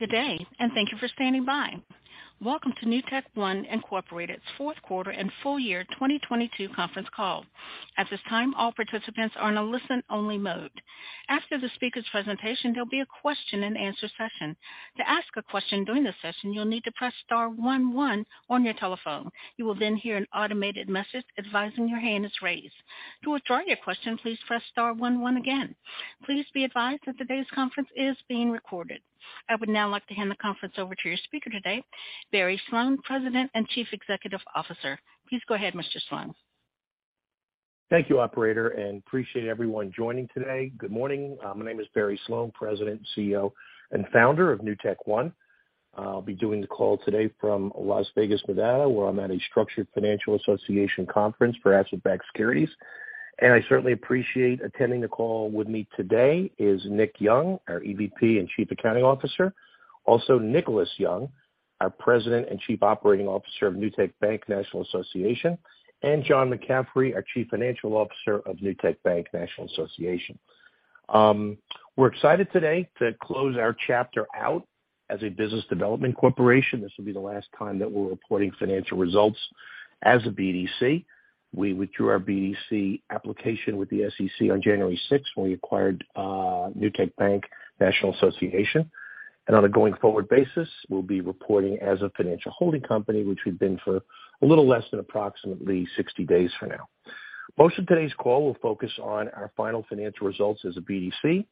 Good day. Thank you for standing by. Welcome to NewtekOne Incorporated's fourth quarter and full year 2022 conference call. At this time, all participants are in a listen-only mode. After the speaker's presentation, there'll be a question-and-answer session. To ask a question during this session, you'll need to press star one one on your telephone. You will hear an automated message advising your hand is raised. To withdraw your question, please press star one one again. Please be advised that today's conference is being recorded. I would now like to hand the conference over to your speaker today, Barry Sloane, President and Chief Executive Officer. Please go ahead, Mr. Sloane. Thank you, operator. Appreciate everyone joining today. Good morning. My name is Barry Sloane, President, Chief Executive Officer, and Founder of NewtekOne. I'll be doing the call today from Las Vegas, Nevada, where I'm at a Structured Finance Association conference for asset-backed securities. I certainly appreciate attending the call with me today is Nick Leger, our Executive Vice President and Chief Accounting Officer. Nicholas Young, our President and Chief Operating Officer of Newtek Bank National Association, and John McCaffrey, our Chief Financial Officer of Newtek Bank National Association. We're excited today to close our chapter out as a business development corporation. This will be the last time that we're reporting financial results as a BDC. We withdrew our BDC application with the SEC on January 6th when we acquired Newtek Bank National Association. On a going-forward basis, we'll be reporting as a financial holding company, which we've been for a little less than approximately 60 days for now. Most of today's call will focus on our final financial results as a BDC,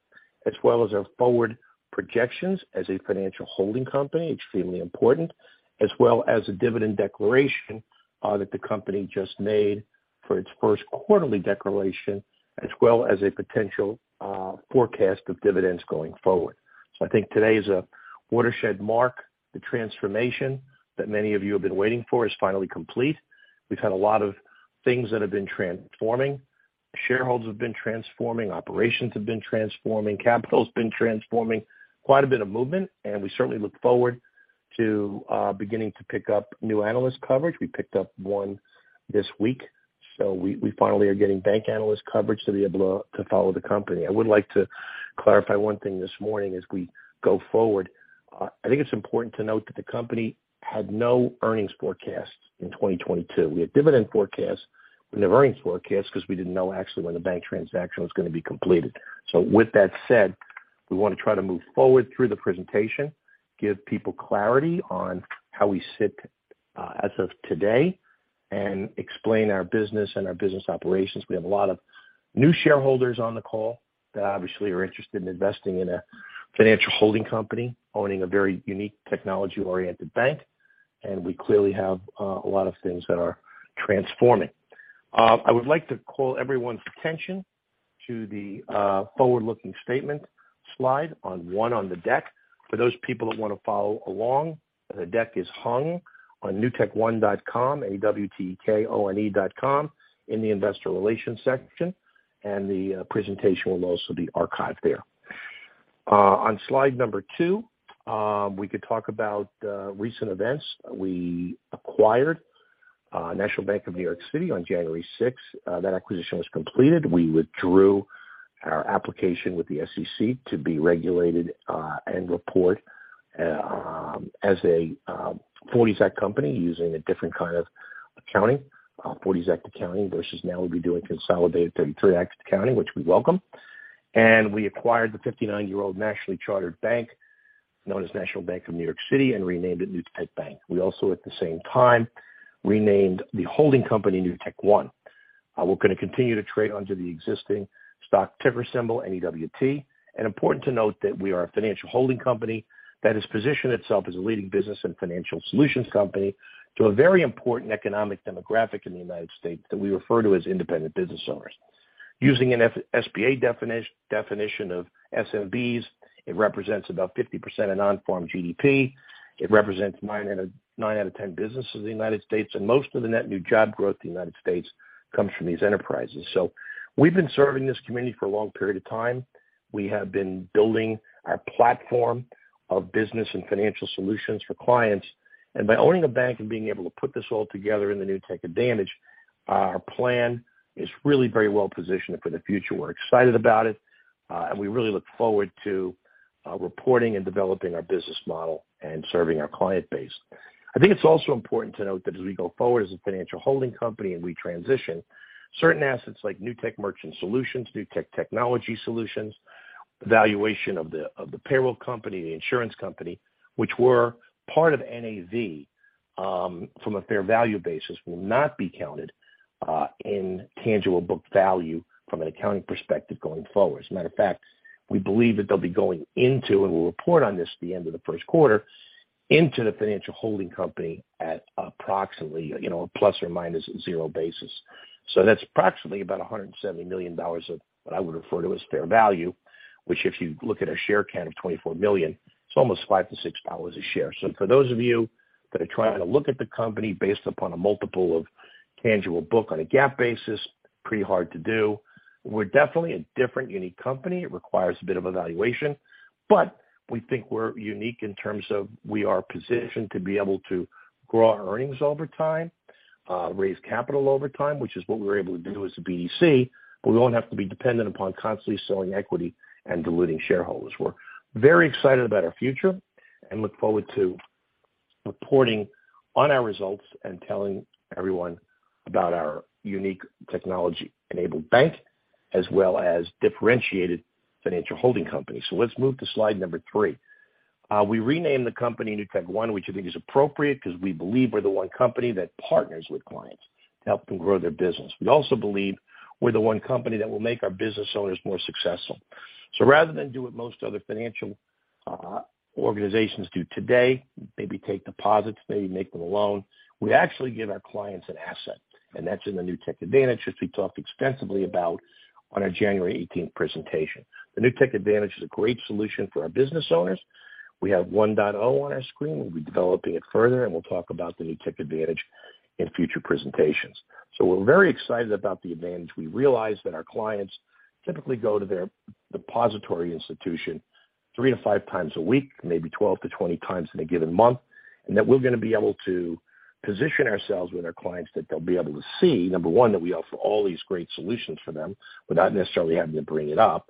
as well as our forward projections as a financial holding company, extremely important, as well as a dividend declaration that the company just made for its first quarterly declaration, as well as a potential forecast of dividends going forward. I think today is a watershed mark. The transformation that many of you have been waiting for is finally complete. We've had a lot of things that have been transforming. Shareholder have been transforming, operations have been transforming, capital's been transforming. Quite a bit of movement, and we certainly look forward to beginning to pick up new analyst coverage. We picked up one this week. We finally are getting bank analyst coverage to be able to follow the company. I would like to clarify one thing this morning as we go forward. I think it's important to note that the company had no earnings forecast in 2022. We had dividend forecasts. We didn't have earnings forecasts because we didn't know actually when the bank transaction was gonna be completed. With that said, we wanna try to move forward through the presentation, give people clarity on how we sit as of today, and explain our business and our business operations. We have a lot of new shareholders on the call that obviously are interested in investing in a financial holding company, owning a very unique technology-oriented bank, and we clearly have a lot of things that are transforming. I would like to call everyone's attention to the forward-looking statement slide one on the deck. For those people that wanna follow along, the deck is hung on newtekone.com, N-E-W-T-E-K-O-N-E dot com, in the investor relations section, and the presentation will also be archived there. On slide two, we could talk about recent events. We acquired National Bank of New York City on January 6. That acquisition was completed. We withdrew our application with the SEC to be regulated and report as a 40 Act company using a different kind of accounting, 40 Act accounting versus now we'll be doing consolidated 33 Act accounting, which we welcome. We acquired the 59-year-old nationally chartered bank known as National Bank of New York City and renamed it Newtek Bank. We also, at the same time, renamed the holding company NewtekOne. We're gonna continue to trade under the existing stock ticker symbol, NEWT. Important to note that we are a financial holding company that has positioned itself as a leading business and financial solutions company to a very important economic demographic in the United States that we refer to as independent business owners. Using an SBA definition of SMBs, it represents about 50% of non-farm GDP. It represents nine out of 10 businesses in the United States, and most of the net new job growth in the United States comes from these enterprises. We've been serving this community for a long period of time. We have been building our platform of business and financial solutions for clients. By owning a bank and being able to put this all together in the Newtek Advantage, our plan is really very well positioned for the future. We're excited about it, and we really look forward to reporting and developing our business model and serving our client base. I think it's also important to note that as we go forward as a financial holding company and we transition certain assets like Newtek Merchant Solutions, Newtek Technology Solutions, valuation of the, of the payroll company, the insurance company, which were part of NAV, from a fair value basis, will not be counted in tangible book value from an accounting perspective going forward. As a matter of fact, we believe that they'll be going into, and we'll report on this at the end of the first quarter, into the financial holding company at approximately, you know, ±0 basis. That's approximately about $170 million of what I would refer to as fair value, which, if you look at a share count of $24 million, it's almost $5-$6 a share. For those of you that are trying to look at the company based upon a multiple of tangible book on a GAAP basis, pretty hard to do. We're definitely a different, unique company. It requires a bit of evaluation, but we think we're unique in terms of we are positioned to be able to grow our earnings over time, raise capital over time, which is what we were able to do as a BDC, but we won't have to be dependent upon constantly selling equity and diluting shareholders. We're very excited about our future and look forward to reporting on our results and telling everyone about our unique technology-enabled bank as well as differentiated financial holding company. Let's move to slide number three. We renamed the company NewtekOne, which I think is appropriate because we believe we're the one company that partners with clients to help them grow their business. We also believe we're the one company that will make our business owners more successful. Rather than do what most other financial organizations do today, maybe take deposits, maybe make them a loan, we actually give our clients an asset, and that's in the Newtek Advantage, which we talked extensively about on our January 18th presentation. The Newtek Advantage is a great solution for our business owners. We have 1.0 on our screen. We'll be developing it further, and we'll talk about the Newtek Advantage in future presentations. We're very excited about the advantage. We realize that our clients typically go to their depository institution three to five times a week, maybe 12-20 times in a given month, and that we're gonna be able to position ourselves with our clients that they'll be able to see, number one, that we offer all these great solutions for them without necessarily having to bring it up.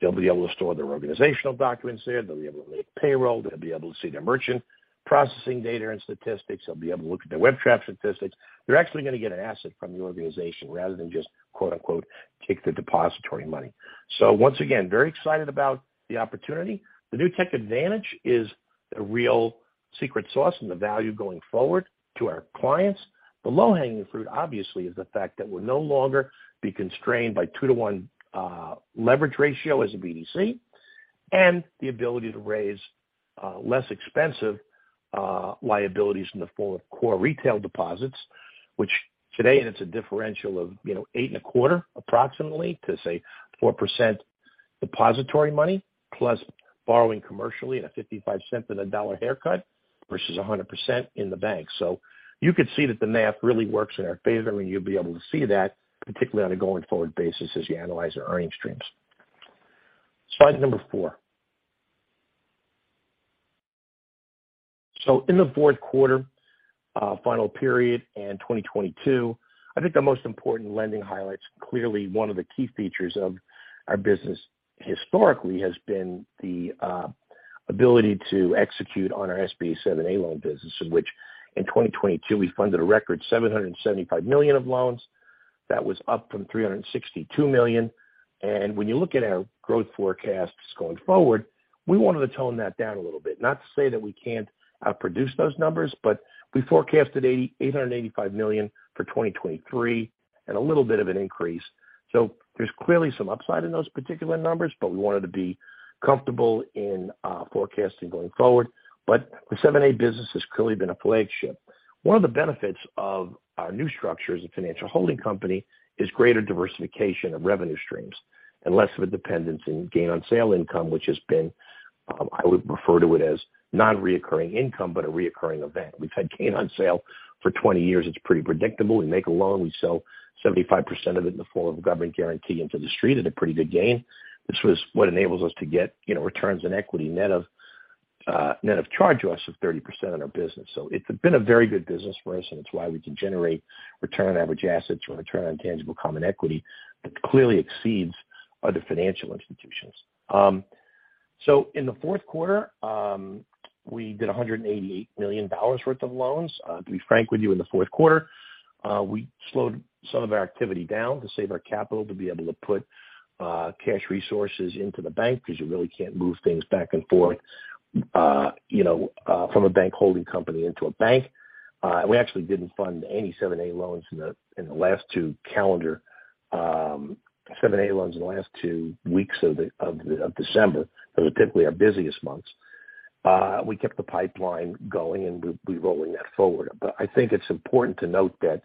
They'll be able to store their organizational documents there. They'll be able to make payroll. They'll be able to see their merchant processing data and statistics. They'll be able to look at their web trap statistics. They're actually gonna get an asset from the organization rather than just, quote-unquote, "take the depository money." Once again, very excited about the opportunity. The Newtek Advantage is the real secret sauce and the value going forward to our clients. The low-hanging fruit, obviously, is the fact that we'll no longer be constrained by 2-to-1 leverage ratio as a BDC and the ability to raise less expensive liabilities in the form of core retail deposits, which today, and it's a differential of, you know, 8.25% approximately to, say, 4% depository money plus borrowing commercially at a $0.55 and a $1 haircut versus 100% in the bank. You could see that the math really works in our favor, and you'll be able to see that, particularly on a going-forward basis as you analyze the earning streams. slide number four. In the fourth quarter, final period in 2022, I think the most important lending highlights, clearly one of the key features of our business historically has been the ability to execute on our SBA 7(a) loan business, of which in 2022 we funded a record $775 million of loans. That was up from $362 million. When you look at our growth forecasts going forward, we wanted to tone that down a little bit. Not to say that we can't produce those numbers, but we forecasted $885 million for 2023 and a little bit of an increase. There's clearly some upside in those particular numbers, but we wanted to be comfortable in forecasting going forward. The 7(a) business has clearly been a flagship. One of the benefits of our new structure as a financial holding company is greater diversification of revenue streams and less of a dependence in gain on sale income, which has been, I would refer to it as non-recurring income but a recurring event. We've had gain on sale for 20 years. It's pretty predictable. We make a loan. We sell 75% of it in the form of a government guarantee into the street at a pretty good gain, which was what enables us to get, you know, returns on equity net of, net of charge to us of 30% on our business. It's been a very good business for us, and it's why we can generate return on average assets or return on tangible common equity that clearly exceeds other financial institutions. In the fourth quarter, we did $188 million worth of loans. To be frank with you, in the fourth quarter, we slowed some of our activity down to save our capital to be able to put cash resources into the bank because you really can't move things back and forth from a bank holding company into a bank. We actually didn't fund any 7(a) loans in the last two weeks of December. Those are typically our busiest months. We kept the pipeline going, and we're rolling that forward. I think it's important to note that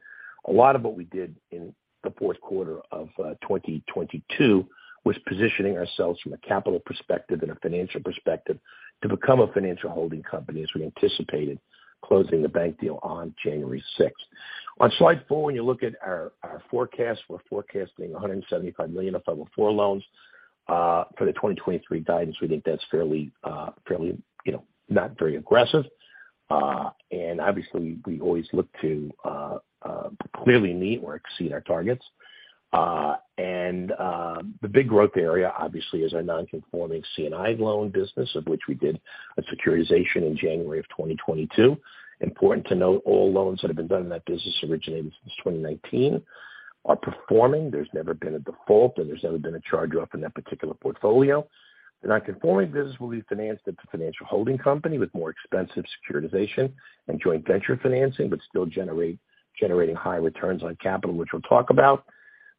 a lot of what we did in the fourth quarter of 2022 was positioning ourselves from a capital perspective and a financial perspective to become a financial holding company as we anticipated closing the bank deal on January 6. On slide four, when you look at our forecast, we're forecasting $175 million of 504 loans for the 2023 guidance. We think that's fairly, you know, not very aggressive. Obviously we always look to clearly meet or exceed our targets. The big growth area obviously is our non-conforming C&I loan business, of which we did a securitization in January of 2022. Important to note, all loans that have been done in that business originated since 2019 are performing. There's never been a default, and there's never been a charge-off in that particular portfolio. The non-conforming business will be financed at the financial holding company with more expensive securitization and joint venture financing but still generating high returns on capital, which we'll talk about.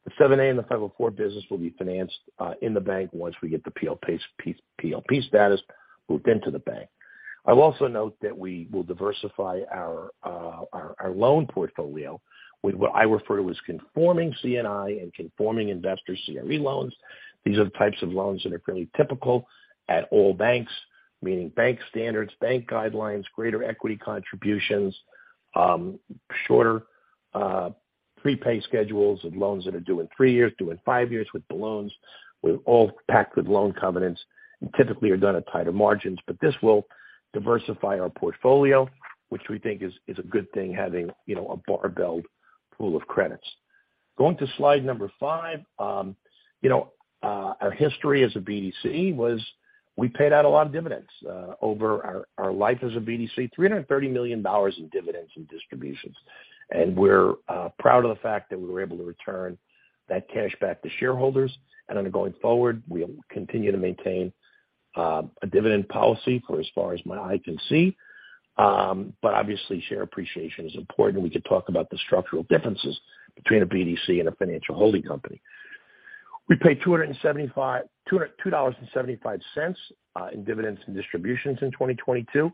The 7(a) and the 504 business will be financed in the bank once we get the PLP status moved into the bank. I will also note that we will diversify our loan portfolio with what I refer to as conforming C&I and conforming investor CRE loans. These are the types of loans that are fairly typical at all banks, meaning bank standards, bank guidelines, greater equity contributions, shorter prepay schedules of loans that are due in three-years, due in five-years with balloons, with all packed with loan covenants and typically are done at tighter margins. This will diversify our portfolio, which we think is a good thing having, you know, a barbelled pool of credits. Going to slide number five. You know, our history as a BDC was we paid out a lot of dividends over our life as a BDC. $330 million in dividends and distributions. We're proud of the fact that we were able to return that cash back to shareholders. Going forward, we'll continue to maintain a dividend policy for as far as my eye can see. Obviously, share appreciation is important. We could talk about the structural differences between a BDC and a financial holding company. We paid $2.75 in dividends and distributions in 2022.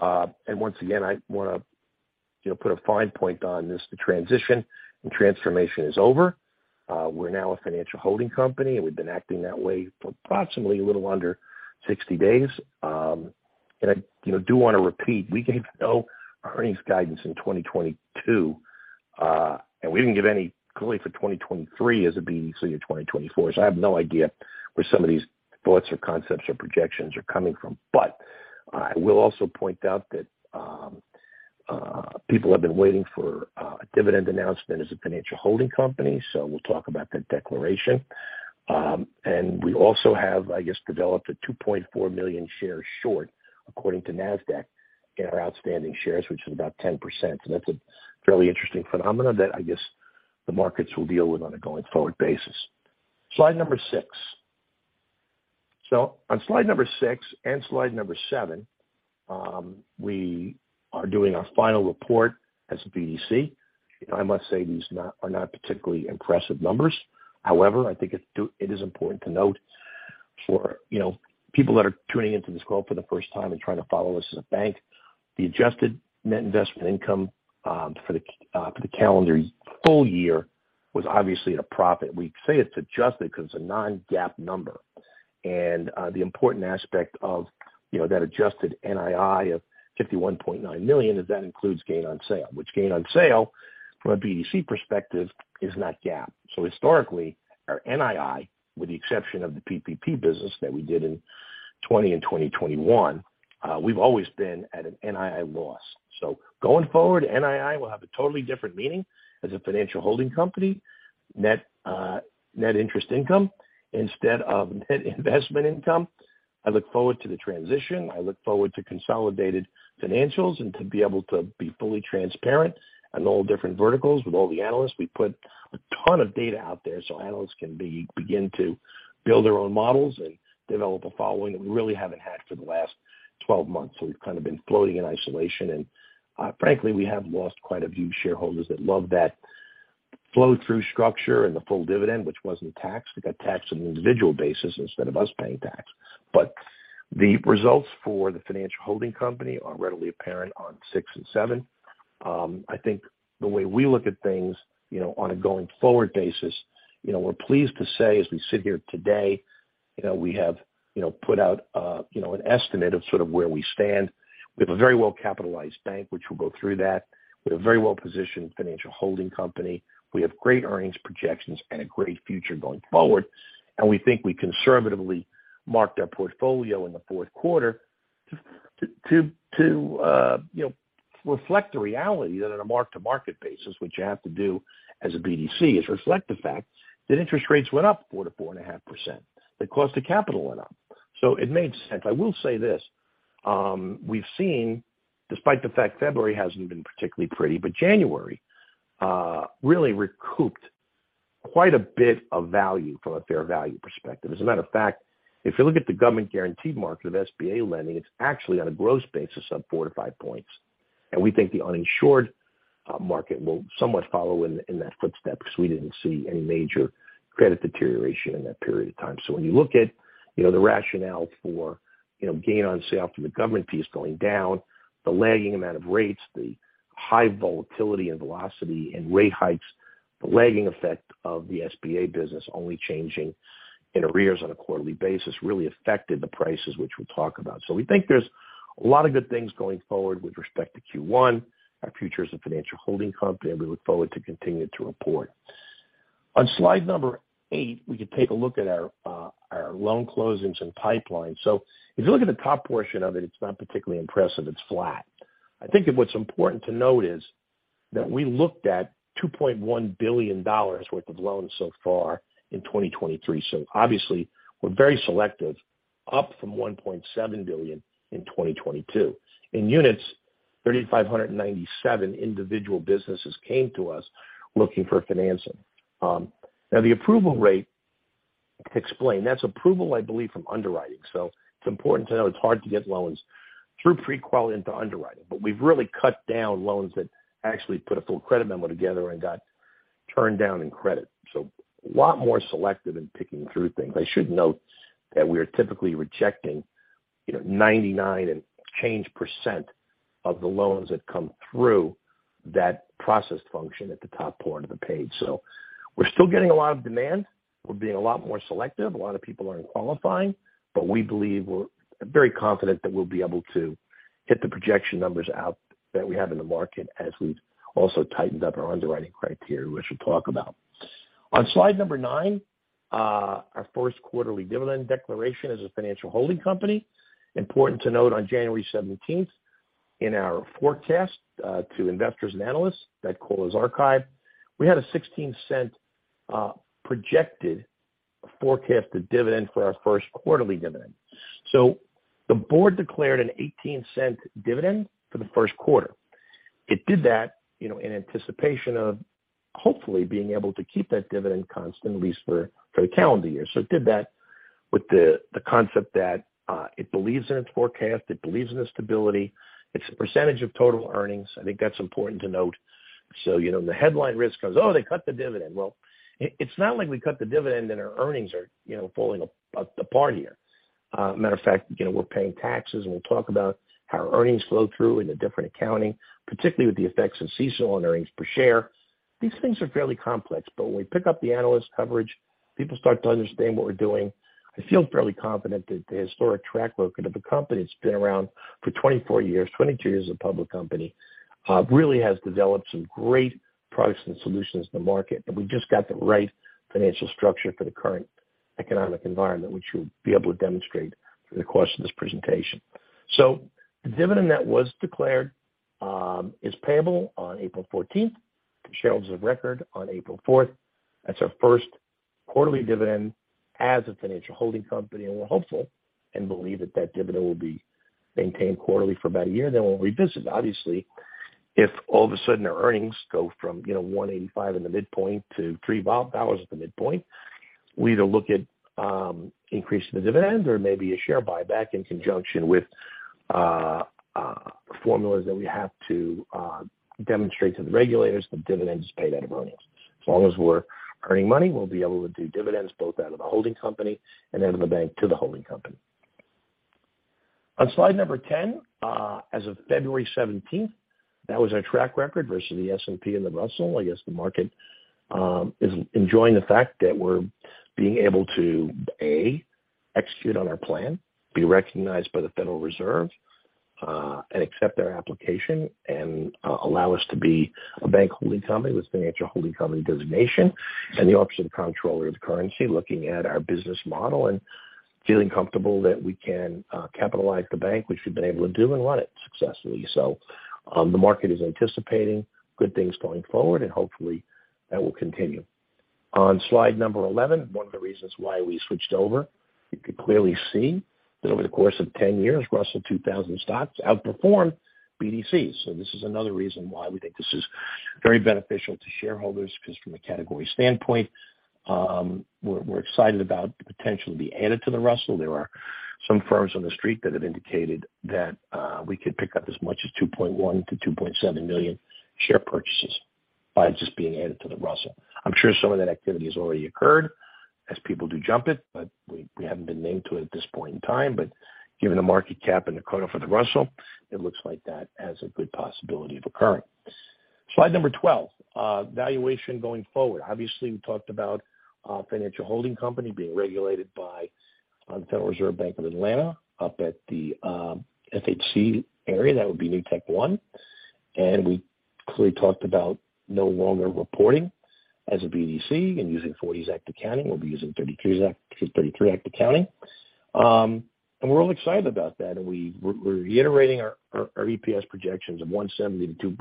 Once again, I wanna, you know, put a fine point on this. The transition and transformation is over. We're now a financial holding company, and we've been acting that way for approximately a little under 60 days. I, you know, do wanna repeat, we gave no earnings guidance in 2022, and we didn't give any clearly for 2023 as a BDC or 2024. I have no idea where some of these thoughts or concepts or projections are coming from. I will also point out that people have been waiting for a dividend announcement as a financial holding company, so we'll talk about that declaration. We also have, I guess, developed a 2.4 million shares short, according to Nasdaq, in our outstanding shares, which is about 10%. That's a fairly interesting phenomenon that I guess the markets will deal with on a going-forward basis. Slide number six. On slide number six and slide number seven, we are doing our final report as a BDC. I must say these are not particularly impressive numbers. However, I think it is important to note for, you know, people that are tuning into this call for the first time and trying to follow us as a Bank, the adjusted net investment income for the calendar full year was obviously at a profit. We say it's adjusted 'cause it's a non-GAAP number. The important aspect of, you know, that adjusted NII of $51.9 million is that includes gain on sale, which gain on sale from a BDC perspective is not GAAP. Historically, our NII, with the exception of the PPP business that we did in 2020 and 2021, we've always been at an NII loss. Going forward, NII will have a totally different meaning as a financial holding company. Net interest income instead of net investment income. I look forward to the transition. I look forward to consolidated financials and to be able to be fully transparent on all different verticals with all the analysts. We put a ton of data out there so analysts can begin to build their own models and develop a following that we really haven't had for the last 12 months. We've kind of been floating in isolation and, frankly, we have lost quite a few shareholders that love that flow through structure and the full dividend, which wasn't taxed. It got taxed on an individual basis instead of us paying tax. The results for the financial holding company are readily apparent on six and seven. I think the way we look at things, you know, on a going forward basis, you know, we're pleased to say as we sit here today, you know, we have, you know, put out, you know, an estimate of sort of where we stand. We have a very well-capitalized bank, which we'll go through that. We have a very well-positioned financial holding company. We have great earnings projections and a great future going forward. We think we conservatively marked our portfolio in the fourth quarter to, you know, reflect the reality that on a mark-to-market basis, what you have to do as a BDC is reflect the fact that interest rates went up 4% to 4.5%. The cost of capital went up. It made sense. I will say this. We've seen, despite the fact February hasn't been particularly pretty, but January, really recouped quite a bit of value from a fair value perspective. As a matter of fact, if you look at the government guaranteed market of SBA lending, it's actually on a gross basis up 4-5 points. We think the uninsured market will somewhat follow in that footstep 'cause we didn't see any major credit deterioration in that period of time. When you look at, you know, the rationale for, you know, gain on sale from the government piece going down, the lagging amount of rates, the high volatility and velocity and rate hikes, the lagging effect of the SBA business only changing in arrears on a quarterly basis really affected the prices which we'll talk about. We think there's a lot of good things going forward with respect to Q1, our future as a financial holding company, and we look forward to continuing to report. On slide number 8, we can take a look at our loan closings and pipeline. If you look at the top portion of it's not particularly impressive. It's flat. I think that what's important to note is that we looked at $2.1 billion worth of loans so far in 2023. Obviously we're very selective, up from $1.7 billion in 2022. In units, 3,597 individual businesses came to us looking for financing. Now the approval rate explained. That's approval, I believe, from underwriting. It's important to know it's hard to get loans through pre-qual into underwriting. We've really cut down loans that actually put a full credit memo together and got turned down in credit. A lot more selective in picking through things. I should note that we are typically rejecting, you know, 99 and change% of the loans that come through that processed function at the top part of the page. We're still getting a lot of demand. We're being a lot more selective. A lot of people aren't qualifying, but we believe we're very confident that we'll be able to hit the projection numbers out that we have in the market as we've also tightened up our underwriting criteria, which we'll talk about. On slide number nine, our first quarterly dividend declaration as a financial holding company. Important to note, on January 17th. In our forecast to investors and analysts that call is archived. We had a $0.16 projected forecasted dividend for our first quarterly dividend. The board declared an $0.18 dividend for the first quarter. It did that, you know, in anticipation of hopefully being able to keep that dividend constant, at least for the calendar year. It did that with the concept that it believes in its forecast, it believes in the stability. It's a percentage of total earnings. I think that's important to note. You know, the headline risk goes, "Oh, they cut the dividend." Well, it's not like we cut the dividend and our earnings are, you know, falling apart here. Matter of fact, you know, we're paying taxes, and we'll talk about how our earnings flow through into different accounting, particularly with the effects of CECL on earnings per share. These things are fairly complex, but when we pick up the analyst coverage, people start to understand what we're doing. I feel fairly confident that the historic track record of the company that's been around for 24 years, 22 years as a public company, really has developed some great products and solutions in the market. We just got the right financial structure for the current economic environment, which we'll be able to demonstrate through the course of this presentation. The dividend that was declared is payable on April 14th. The shareholders of record on April 4th. That's our first quarterly dividend as a financial holding company, and we're hopeful and believe that that dividend will be maintained quarterly for about a year. We'll revisit. Obviously, if all of a sudden our earnings go from, you know, $1.85 in the midpoint to $3.00 at the midpoint, we either look at increasing the dividend or maybe a share buyback in conjunction with formulas that we have to demonstrate to the regulators the dividend is paid out of earnings. As long as we're earning money, we'll be able to do dividends both out of the holding company and out of the bank to the holding company. On slide number 10, as of February 17th, that was our track record versus the S&P and the Russell. I guess the market is enjoying the fact that we're being able to, A, execute on our plan, be recognized by the Federal Reserve, and accept our application and allow us to be a bank holding company with financial holding company designation. The Office of the Comptroller of the Currency looking at our business model and feeling comfortable that we can capitalize the bank, which we've been able to do and run it successfully. The market is anticipating good things going forward, and hopefully that will continue. On slide number 11, one of the reasons why we switched over. You can clearly see that over the course of 10 years, Russell 2000 stocks outperformed BDCs. This is another reason why we think this is very beneficial to shareholders because from a category standpoint, we're excited about the potential to be added to the Russell. There are some firms on the street that have indicated that we could pick up as much as $2.1 million-$2.7 million share purchases by just being added to the Russell. I'm sure some of that activity has already occurred as people do jump it, but we haven't been named to it at this point in time. Given the market cap and the quota for the Russell, it looks like that has a good possibility of occurring. Slide number 12. Valuation going forward. Obviously, we talked about our financial holding company being regulated by Federal Reserve Bank of Atlanta up at the FHC area. That would be NewtekOne. We clearly talked about no longer reporting as a BDC and using '40 Act accounting. We'll be using 33 Act accounting. We're all excited about that. We're reiterating our EPS projections of $1.70-$2.00,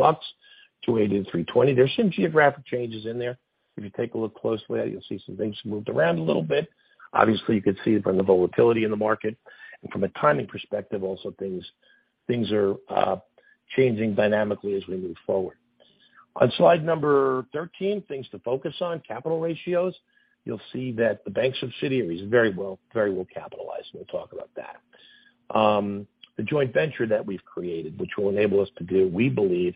$2.80-$3.20. There's some geographic changes in there. If you take a look closely, you'll see some things moved around a little bit. Obviously, you could see it from the volatility in the market. From a timing perspective, also things are changing dynamically as we move forward. On slide number 13, things to focus on capital ratios. You'll see that the bank subsidiaries very well capitalized, and we'll talk about that. The joint venture that we've created, which will enable us to do, we believe,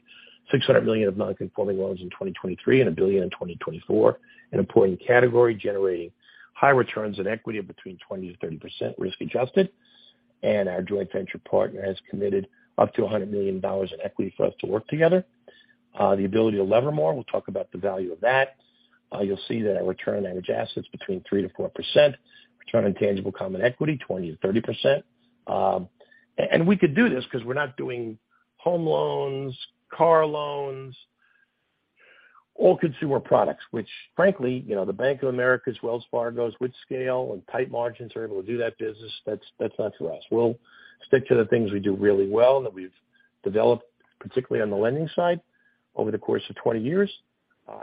$600 million of non-conforming loans in 2023 and $1 billion in 2024, an important category generating high returns on equity of between 20%-30% risk-adjusted. Our joint venture partner has committed up to $100 million in equity for us to work together. The ability to lever more. We'll talk about the value of that. You'll see that our return on average assets between 3%-4%. Return on tangible common equity, 20%-30%. and we could do this because we're not doing home loans, car loans, all consumer products, which frankly, you know, the Bank of America, Wells Fargo with scale and tight margins are able to do that business. That's not to us. We'll stick to the things we do really well, and that we've developed, particularly on the lending side over the course of 20 years.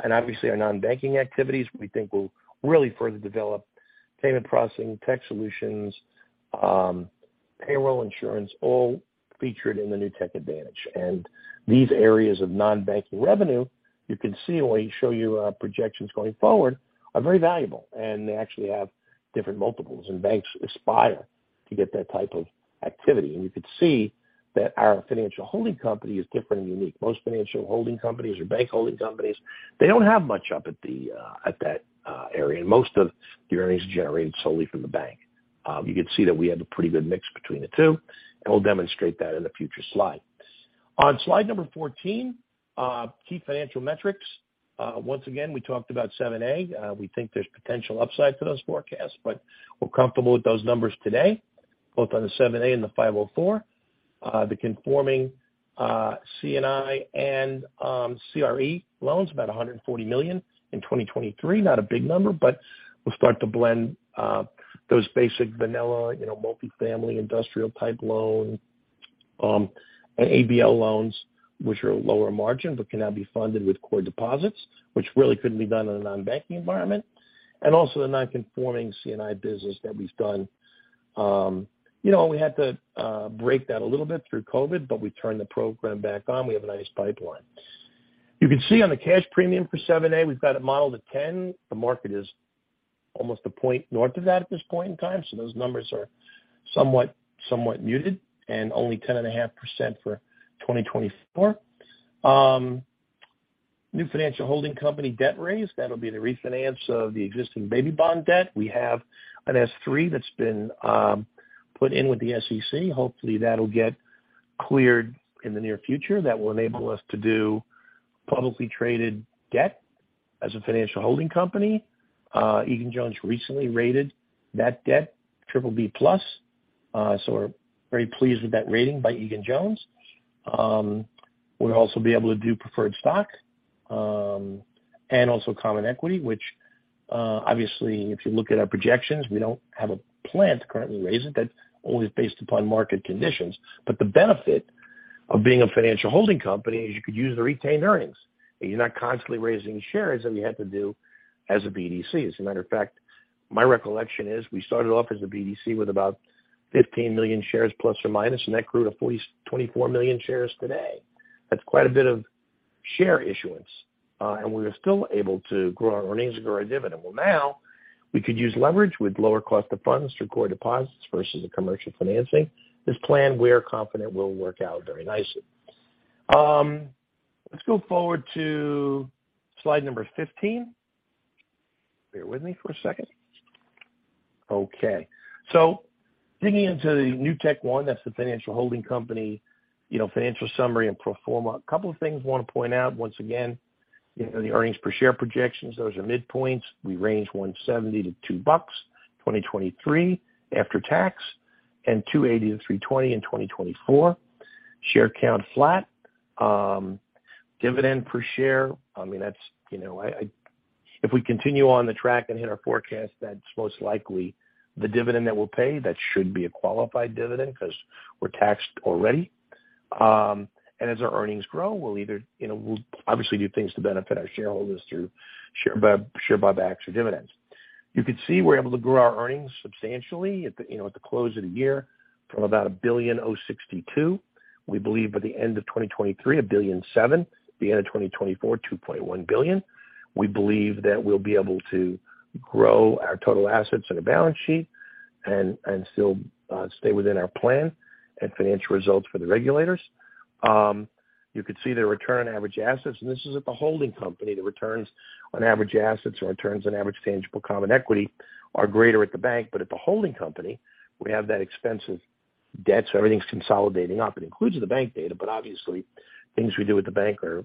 and obviously our non-banking activities, we think will really further develop payment processing, tech solutions, payroll insurance, all featured in the Newtek Advantage. These areas of non-banking revenue, you can see when we show you our projections going forward are very valuable. They actually have different multiples and banks aspire to get that type of activity. You can see that our financial holding company is different and unique. Most financial holding companies or bank holding companies, they don't have much up at that area. Most of the earnings are generated solely from the bank. You can see that we have a pretty good mix between the two, and we'll demonstrate that in a future slide. On slide number 14, key financial metrics. Once again, we talked about 7(a). We think there's potential upside to those forecasts, but we're comfortable with those numbers today, both on the 7(a) and the 504. The conforming C&I and CRE loans about $140 million in 2023. Not a big number, but we'll start to blend, those basic vanilla, you know, multifamily industrial type loans. ABL loans, which are lower margin but can now be funded with core deposits, which really couldn't be done in a non-banking environment. Also the non-conforming C&I business that we've done. You know, we had to break that a little bit through COVID, but we turned the program back on. We have a nice pipeline. You can see on the cash premium for 7(a), we've got it modeled at 10. The market is almost a point north of that at this point in time. Those numbers are somewhat muted and only 10.5% for 2024. New financial holding company debt raise. That'll be the refinance of the existing baby bond debt. We have an S-3 that's been put in with the SEC. Hopefully, that'll get cleared in the near future. That will enable us to do publicly traded debt as a financial holding company. Egan Jones recently rated that debt triple B plus. So we're very pleased with that rating by Egan Jones. We'll also be able to do preferred stock, and also common equity, which, obviously, if you look at our projections, we don't have a plan to currently raise it. That's always based upon market conditions. The benefit of being a financial holding company is you could use the retained earnings, and you're not constantly raising shares that we had to do as a BDC. As a matter of fact, my recollection is we started off as a BDC with about $15 million shares ±, and that grew to $24 million shares today. That's quite a bit of share issuance. We were still able to grow our earnings and grow our dividend. Well, now we could use leverage with lower cost of funds through core deposits versus the commercial financing. This plan we are confident will work out very nicely. Let's go forward to slide number 15. Bear with me for a second. Okay. Digging into the NewtekOne, that's the financial holding company, you know, financial summary and pro forma. A couple of things I wanna point out. Once again, you know, the earnings per share projections, those are midpoints. We range $1.70-$2, 2023 after tax, and $2.80-$3.20 in 2024. Share count flat. Dividend per share. I mean that's, you know, if we continue on the track and hit our forecast, that's most likely the dividend that we'll pay. That should be a qualified dividend because we're taxed already. As our earnings grow, we'll either, you know, we'll obviously do things to benefit our shareholders through share buybacks or dividends. You can see we're able to grow our earnings substantially at the, you know, at the close of the year from about $1.062 billion. We believe by the end of 2023, $1.7 billion. The end of 2024, $2.1 billion. We believe that we'll be able to grow our total assets on a balance sheet and still stay within our plan and financial results for the regulators. You could see the return on average assets, and this is at the holding company. The returns on average assets or returns on average tangible common equity are greater at the bank. At the holding company, we have that expensive debt, so everything's consolidating up. It includes the bank data, but obviously things we do at the bank are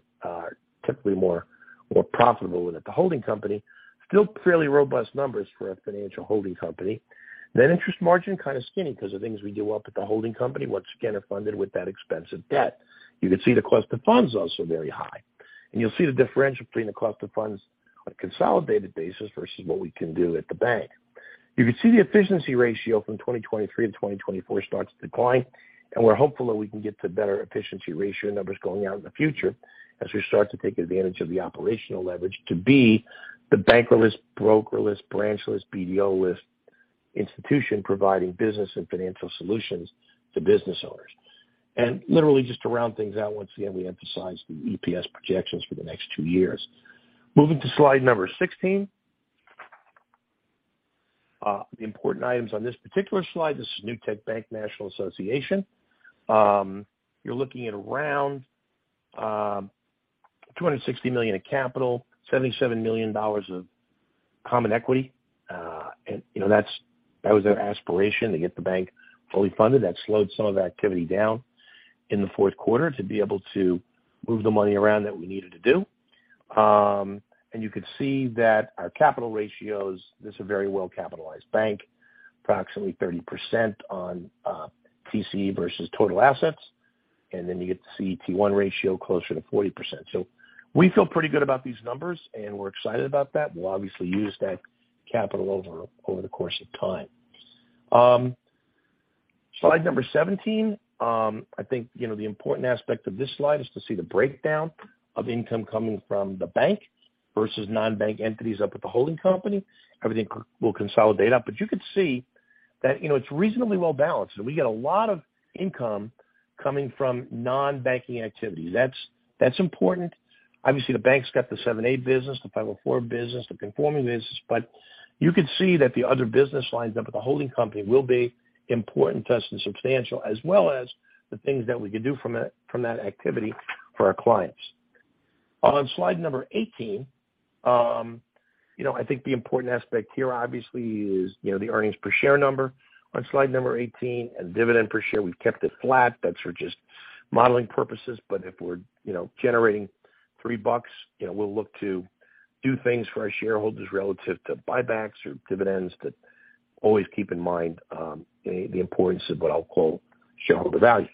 typically more profitable than at the holding company. Still fairly robust numbers for a financial holding company. Net interest margin, kind of skinny because the things we do up at the holding company, once again, are funded with that expensive debt. You can see the cost of funds also very high. You'll see the differential between the cost of funds on a consolidated basis versus what we can do at the bank. You can see the efficiency ratio from 2023 to 2024 starts to decline. We're hopeful that we can get to better efficiency ratio numbers going out in the future as we start to take advantage of the operational leverage to be the banker-less, broker-less, branchless, BDO-less institution providing business and financial solutions to business owners. Literally just to round things out, once again, we emphasize the EPS projections for the next two years. Moving to slide number 16. The important items on this particular slide. This is Newtek Bank, National Association. You're looking at around, $260 million in capital, $77 million of common equity. You know, that was our aspiration to get the bank fully funded. That slowed some of the activity down in the fourth quarter to be able to move the money around that we needed to do. You could see that our capital ratios, this is a very well-capitalized bank. Approximately 30% on TCE versus total assets. You get the CET1 ratio closer to 40%. We feel pretty good about these numbers, and we're excited about that. We'll obviously use that capital over the course of time. Slide number 17. I think, you know, the important aspect of this slide is to see the breakdown of income coming from the bank versus non-bank entities up at the holding company. Everything will consolidate up. You could see that, you know, it's reasonably well-balanced, and we get a lot of income coming from non-banking activity. That's important. Obviously, the bank's got the 7(a) business, the 504 business, the conforming business. You could see that the other business lines up at the holding company will be important to us and substantial, as well as the things that we could do from that, from that activity for our clients. On slide number 18, you know, I think the important aspect here obviously is, you know, the earnings per share number on slide number 18 and dividend per share. We've kept it flat. That's for just modeling purposes. If we're, you know, generating $3, you know, we'll look to do things for our shareholders relative to buybacks or dividends, but always keep in mind, the importance of what I'll call shareholder value.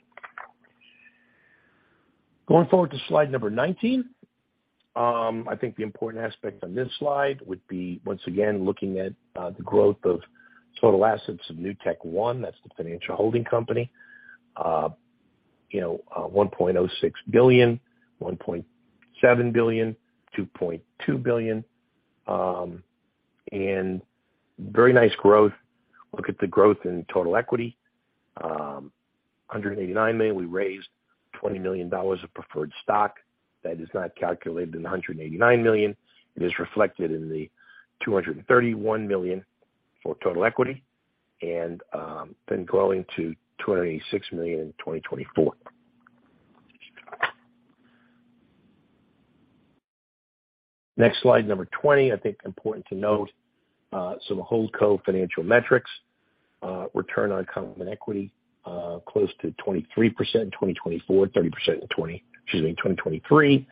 Going forward to slide number 19. I think the important aspect on this slide would be once again, looking at the growth of total assets of NewtekOne, that's the financial holding company. You know, $1.06 billion, $1.7 billion, $2.2 billion, and very nice growth. Look at the growth in total equity. $189 million. We raised $20 million of preferred stock. That is not calculated in the $189 million. It is reflected in the $231 million for total equity and then growing to $286 million in 2024. Next slide, number 20. I think important to note, some hold co-financial metrics, return on common equity, close to 23% in 2024, 30% in 2023.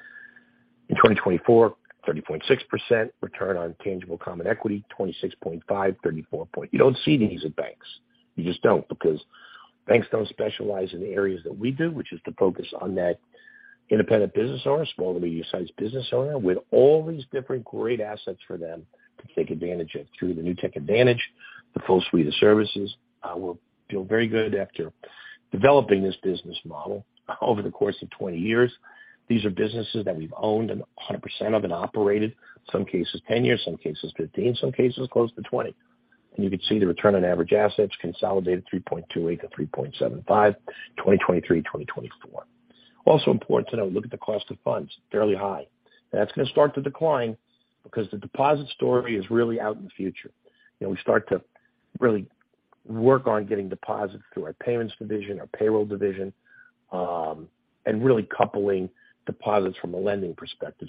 In 2024, 30.6%. Return on tangible common equity, 26.5%, 34.0%. You don't see these at banks. You just don't because banks don't specialize in the areas that we do, which is to focus on that independent business owner, small to medium-sized business owner, with all these different great assets for them to take advantage of through the Newtek Advantage, the full suite of services. We feel very good after developing this business model over the course of 20 years. These are businesses that we've owned and 100% of and operated. Some cases 10 years, some cases 15, some cases close to 20. You can see the return on average assets consolidated 3.28% to 3.75%, 2023, 2024. Also important to note, look at the cost of funds. Fairly high. That's gonna start to decline because the deposit story is really out in the future. You know, we start to really work on getting deposits through our payments division, our payroll division, and really coupling deposits from a lending perspective.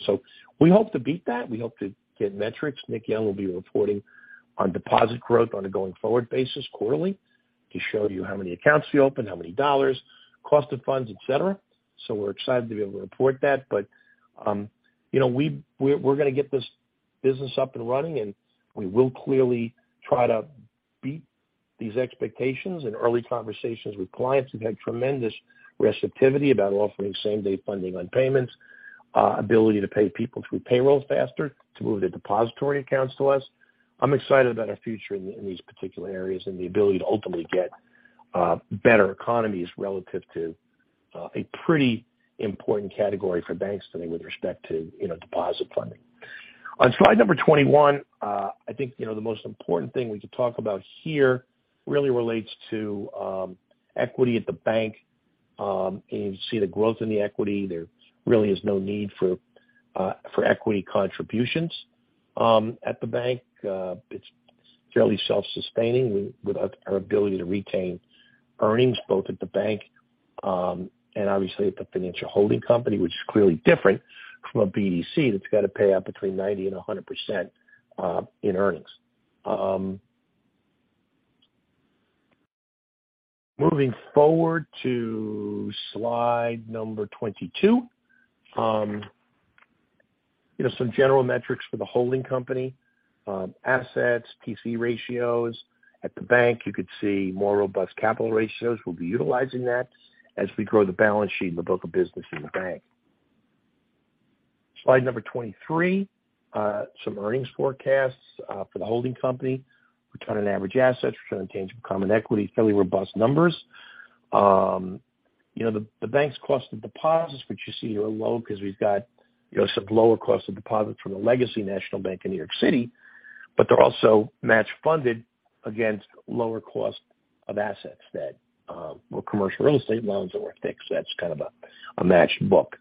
We hope to beat that. We hope to get metrics. Nick Young will be reporting on deposit growth on a going-forward basis quarterly to show you how many accounts we open, how many dollars, cost of funds, et cetera. We're excited to be able to report that. You know, we're gonna get this business up and running, and we will clearly try to beat these expectations. In early conversations with clients, we've had tremendous receptivity about offering same-day funding on payments, ability to pay people through payrolls faster, to move their depository accounts to us. I'm excited about our future in these particular areas and the ability to ultimately get better economies relative to a pretty important category for banks today with respect to, you know, deposit funding. On slide number 21, I think, you know, the most important thing we could talk about here really relates to equity at the bank. You see the growth in the equity. There really is no need for equity contributions at the bank. It's fairly self-sustaining with our ability to retain earnings both at the bank, and obviously at the financial holding company, which is clearly different from a BDC that's got to pay out between 90% and 100% in earnings. Moving forward to slide number 22. You know, some general metrics for the holding company. Assets, PC ratios. At the bank, you could see more robust capital ratios. We'll be utilizing that as we grow the balance sheet and the book of business in the bank. Slide number 23. Some earnings forecasts for the holding company. Return on average assets, return on tangible common equity, fairly robust numbers. You know, the bank's cost of deposits, which you see are low because we've got, you know, some lower cost of deposits from the legacy National Bank of New York City, but they're also match funded against lower cost of assets that were commercial real estate loans that were fixed. That's kind of a matched book.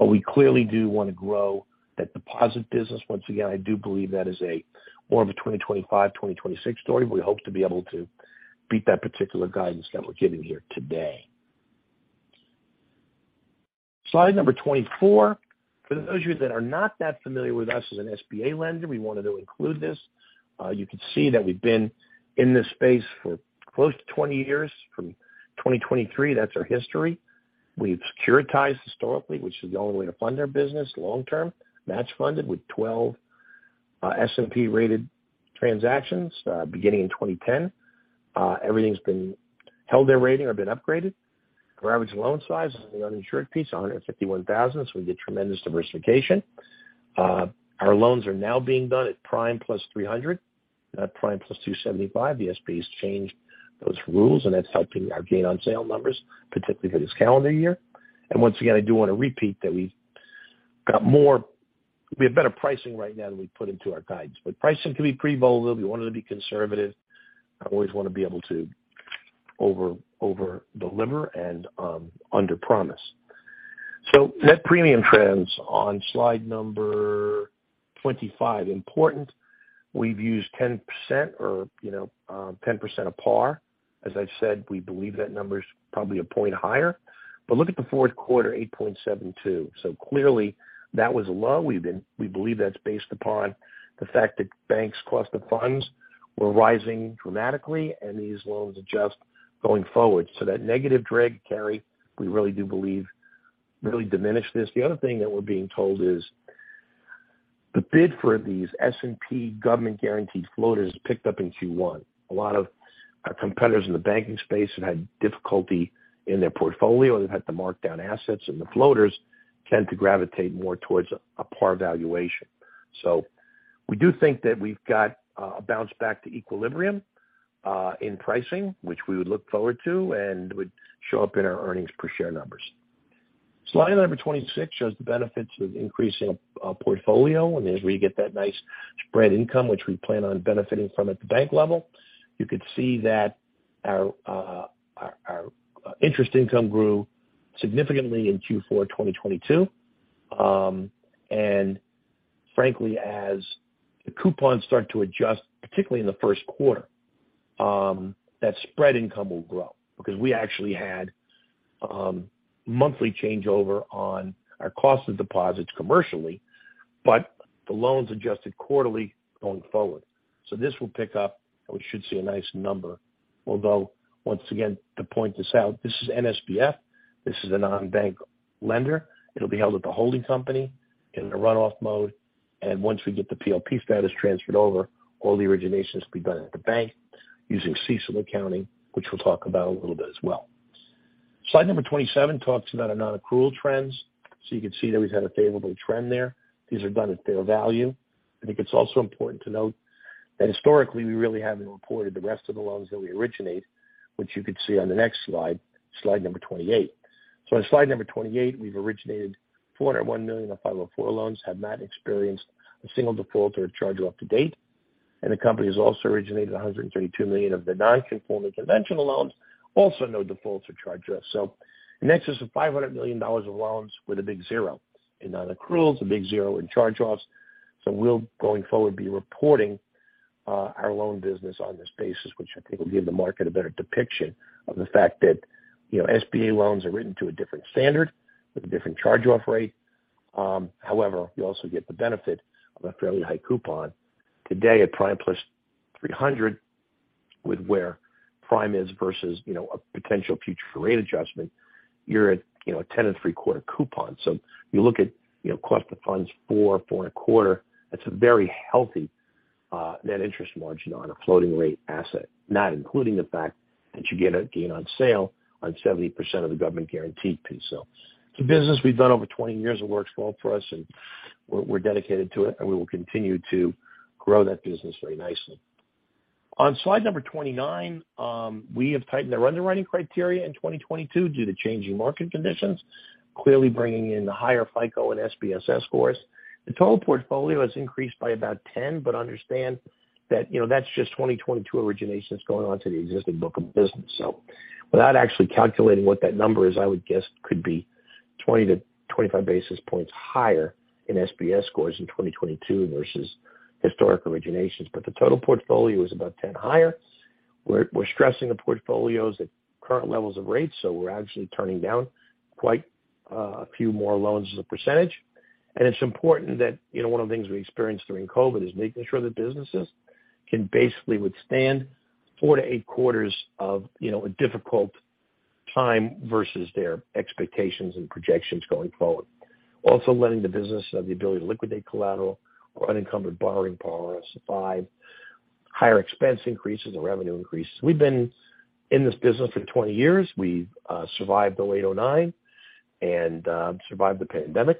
We clearly do wanna grow that deposit business. Once again, I do believe that is a more of a 2025, 2026 story. We hope to be able to beat that particular guidance that we're giving here today. Slide number 24. For those of you that are not that familiar with us as an SBA lender, we wanted to include this. You can see that we've been in this space for close to 20 years. From 2023, that's our history. We've securitized historically, which is the only way to fund our business long term. Match funded with 12 S&P-rated transactions beginning in 2010. Everything's been held their rating or been upgraded. Our average loan size on the uninsured piece, $151,000, so we get tremendous diversification. Our loans are now being done at prime plus 300, not prime plus 275. The SBA has changed those rules, that's helping our gain on sale numbers, particularly for this calendar year. Once again, I do wanna repeat that we have better pricing right now than we've put into our guidance. Pricing can be pretty volatile. We wanted to be conservative. I always wanna be able to over-deliver and underpromise. Net premium trends on slide number 25. Important. We've used 10% or, you know, 10% of par. As I've said, we believe that number's probably a point higher. Look at the fourth quarter, 8.72%. Clearly that was low. We believe that's based upon the fact that banks' cost of funds were rising dramatically and these loans adjust going forward. That negative drag carry, we really do believe really diminished this. The other thing that we're being told, the bid for these S&P government guaranteed floaters picked up in Q1. A lot of competitors in the banking space have had difficulty in their portfolio. They've had to mark down assets, and the floaters tend to gravitate more towards a par valuation. We do think that we've got a bounce back to equilibrium in pricing, which we would look forward to and would show up in our earnings per share numbers. Slide number 26 shows the benefits of increasing portfolio, and as we get that nice spread income, which we plan on benefiting from at the bank level. You could see that our interest income grew significantly in Q4 2022. Frankly, as the coupons start to adjust, particularly in the first quarter, that spread income will grow because we actually had monthly changeover on our cost of deposits commercially, but the loans adjusted quarterly going forward. This will pick up and we should see a nice number. Although once again, to point this out, this is NSBF. This is a non-bank lender. It'll be held at the holding company in a run-off mode. Once we get the PLP status transferred over, all the originations will be done at the bank using CECL accounting, which we'll talk about a little bit as well. Slide number 27 talks about our non-accrual trends. You can see that we've had a favorable trend there. These are done at fair value. I think it's also important to note that historically we really haven't reported the rest of the loans that we originate, which you could see on the next slide number 28. On slide number 28, we've originated $401 million of 504 loans, have not experienced a single default or charge off to date. The company has also originated $132 million of the non-conforming conventional loans. Also, no defaults or charge offs. In excess of $500 million of loans with a zero in non-accruals, a zero in charge offs. We'll, going forward, be reporting our loan business on this basis, which I think will give the market a better depiction of the fact that, you know, SBA loans are written to a different standard with a different charge off rate. However, you also get the benefit of a fairly high coupon today at prime plus 300 basis points with where prime is versus, you know, a potential future rate adjustment. You're at, you know, a 10 and three-quarter coupon. You look at, you know, cost of funds four and a quarter. That's a very healthy net interest margin on a floating rate asset. Not including the fact that you get a gain on sale on 70% of the government guarantee piece. It's a business we've done over 20 years. It works well for us and we're dedicated to it and we will continue to grow that business very nicely. On slide number 29, we have tightened our underwriting criteria in 2022 due to changing market conditions, clearly bringing in the higher FICO and SBSS scores. The total portfolio has increased by about 10, but understand that, you know, that's just 2022 originations going on to the existing book of business. Without actually calculating what that number is, I would guess could be 20-25 basis points higher in SBSS scores in 2022 versus historic originations. The total portfolio is about 10 higher. We're stressing the portfolios at current levels of rates, so we're actually turning down quite a few more loans as a percentage. It's important that, you know, one of the things we experienced during COVID is making sure that businesses can basically withstand four to eight quarters of, you know, a difficult time versus their expectations and projections going forward. Lending the business of the ability to liquidate collateral or unencumbered borrowing power to survive higher expense increases or revenue increases. We've been in this business for 20 years. We've survived 08, 09 and survived the pandemic.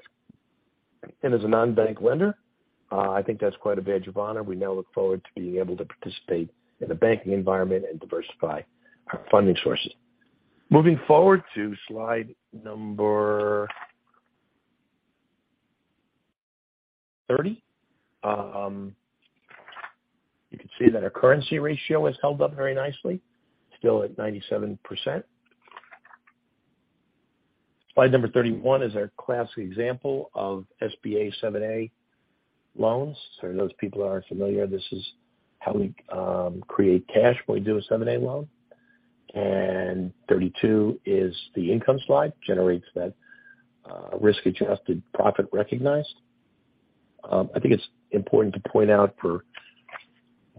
As a non-bank lender, I think that's quite a badge of honor. We now look forward to being able to participate in the banking environment and diversify our funding sources. Moving forward to slide number 30. You can see that our currency ratio has held up very nicely, still at 97%. Slide number 31 is our classic example of SBA 7(a) loans. For those people who aren't familiar, this is how we create cash when we do a 7(a) loan. 32 is the income slide, generates that risk-adjusted profit recognized. I think it's important to point out for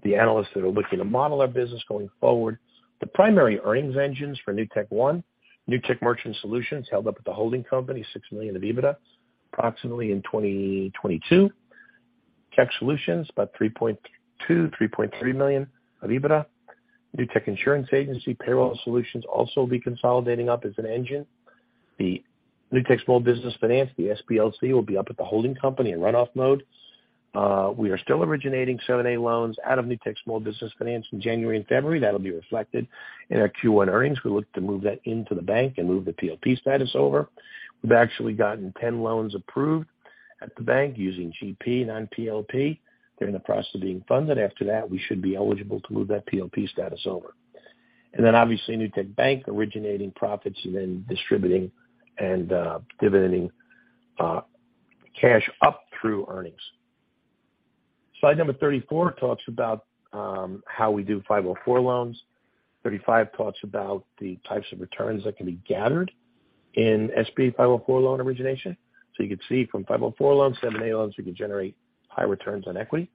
the analysts that are looking to model our business going forward. The primary earnings engines for NewtekOne. Newtek Merchant Solutions held up at the holding company $6 million of EBITDA approximately in 2022. Tech Solutions about $3.2 million-$3.3 million of EBITDA. Newtek Insurance Agency Payroll Solutions also will be consolidating up as an engine. The Newtek Small Business Finance, the SBLC, will be up at the holding company in runoff mode. We are still originating 7(a) loans out of Newtek Small Business Finance in January and February. That'll be reflected in our Q1 earnings. We look to move that into the bank and move the PLP status over. We've actually gotten 10 loans approved at the bank using GP non-PLP. They're in the process of being funded. After that, we should be eligible to move that PLP status over. Obviously Newtek Bank originating profits and then distributing and dividending cash up through earnings. Slide number 34 talks about how we do 504 loans. 35 talks about the types of returns that can be gathered in SBA 504 loan origination. You can see from 504 loans, 7(a) loans, we can generate high returns on equity.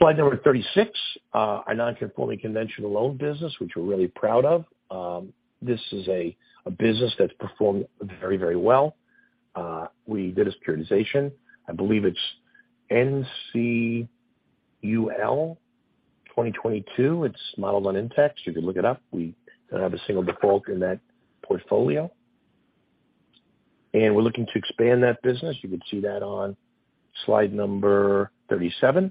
Slide number 36, our non-conforming conventional loan business, which we're really proud of. This is a business that's performed very, very well. We did a securitization. I believe it's NCUL 2022. It's modeled on Intex. You can look it up. We don't have a single default in that portfolio. We're looking to expand that business. You can see that on slide number 37.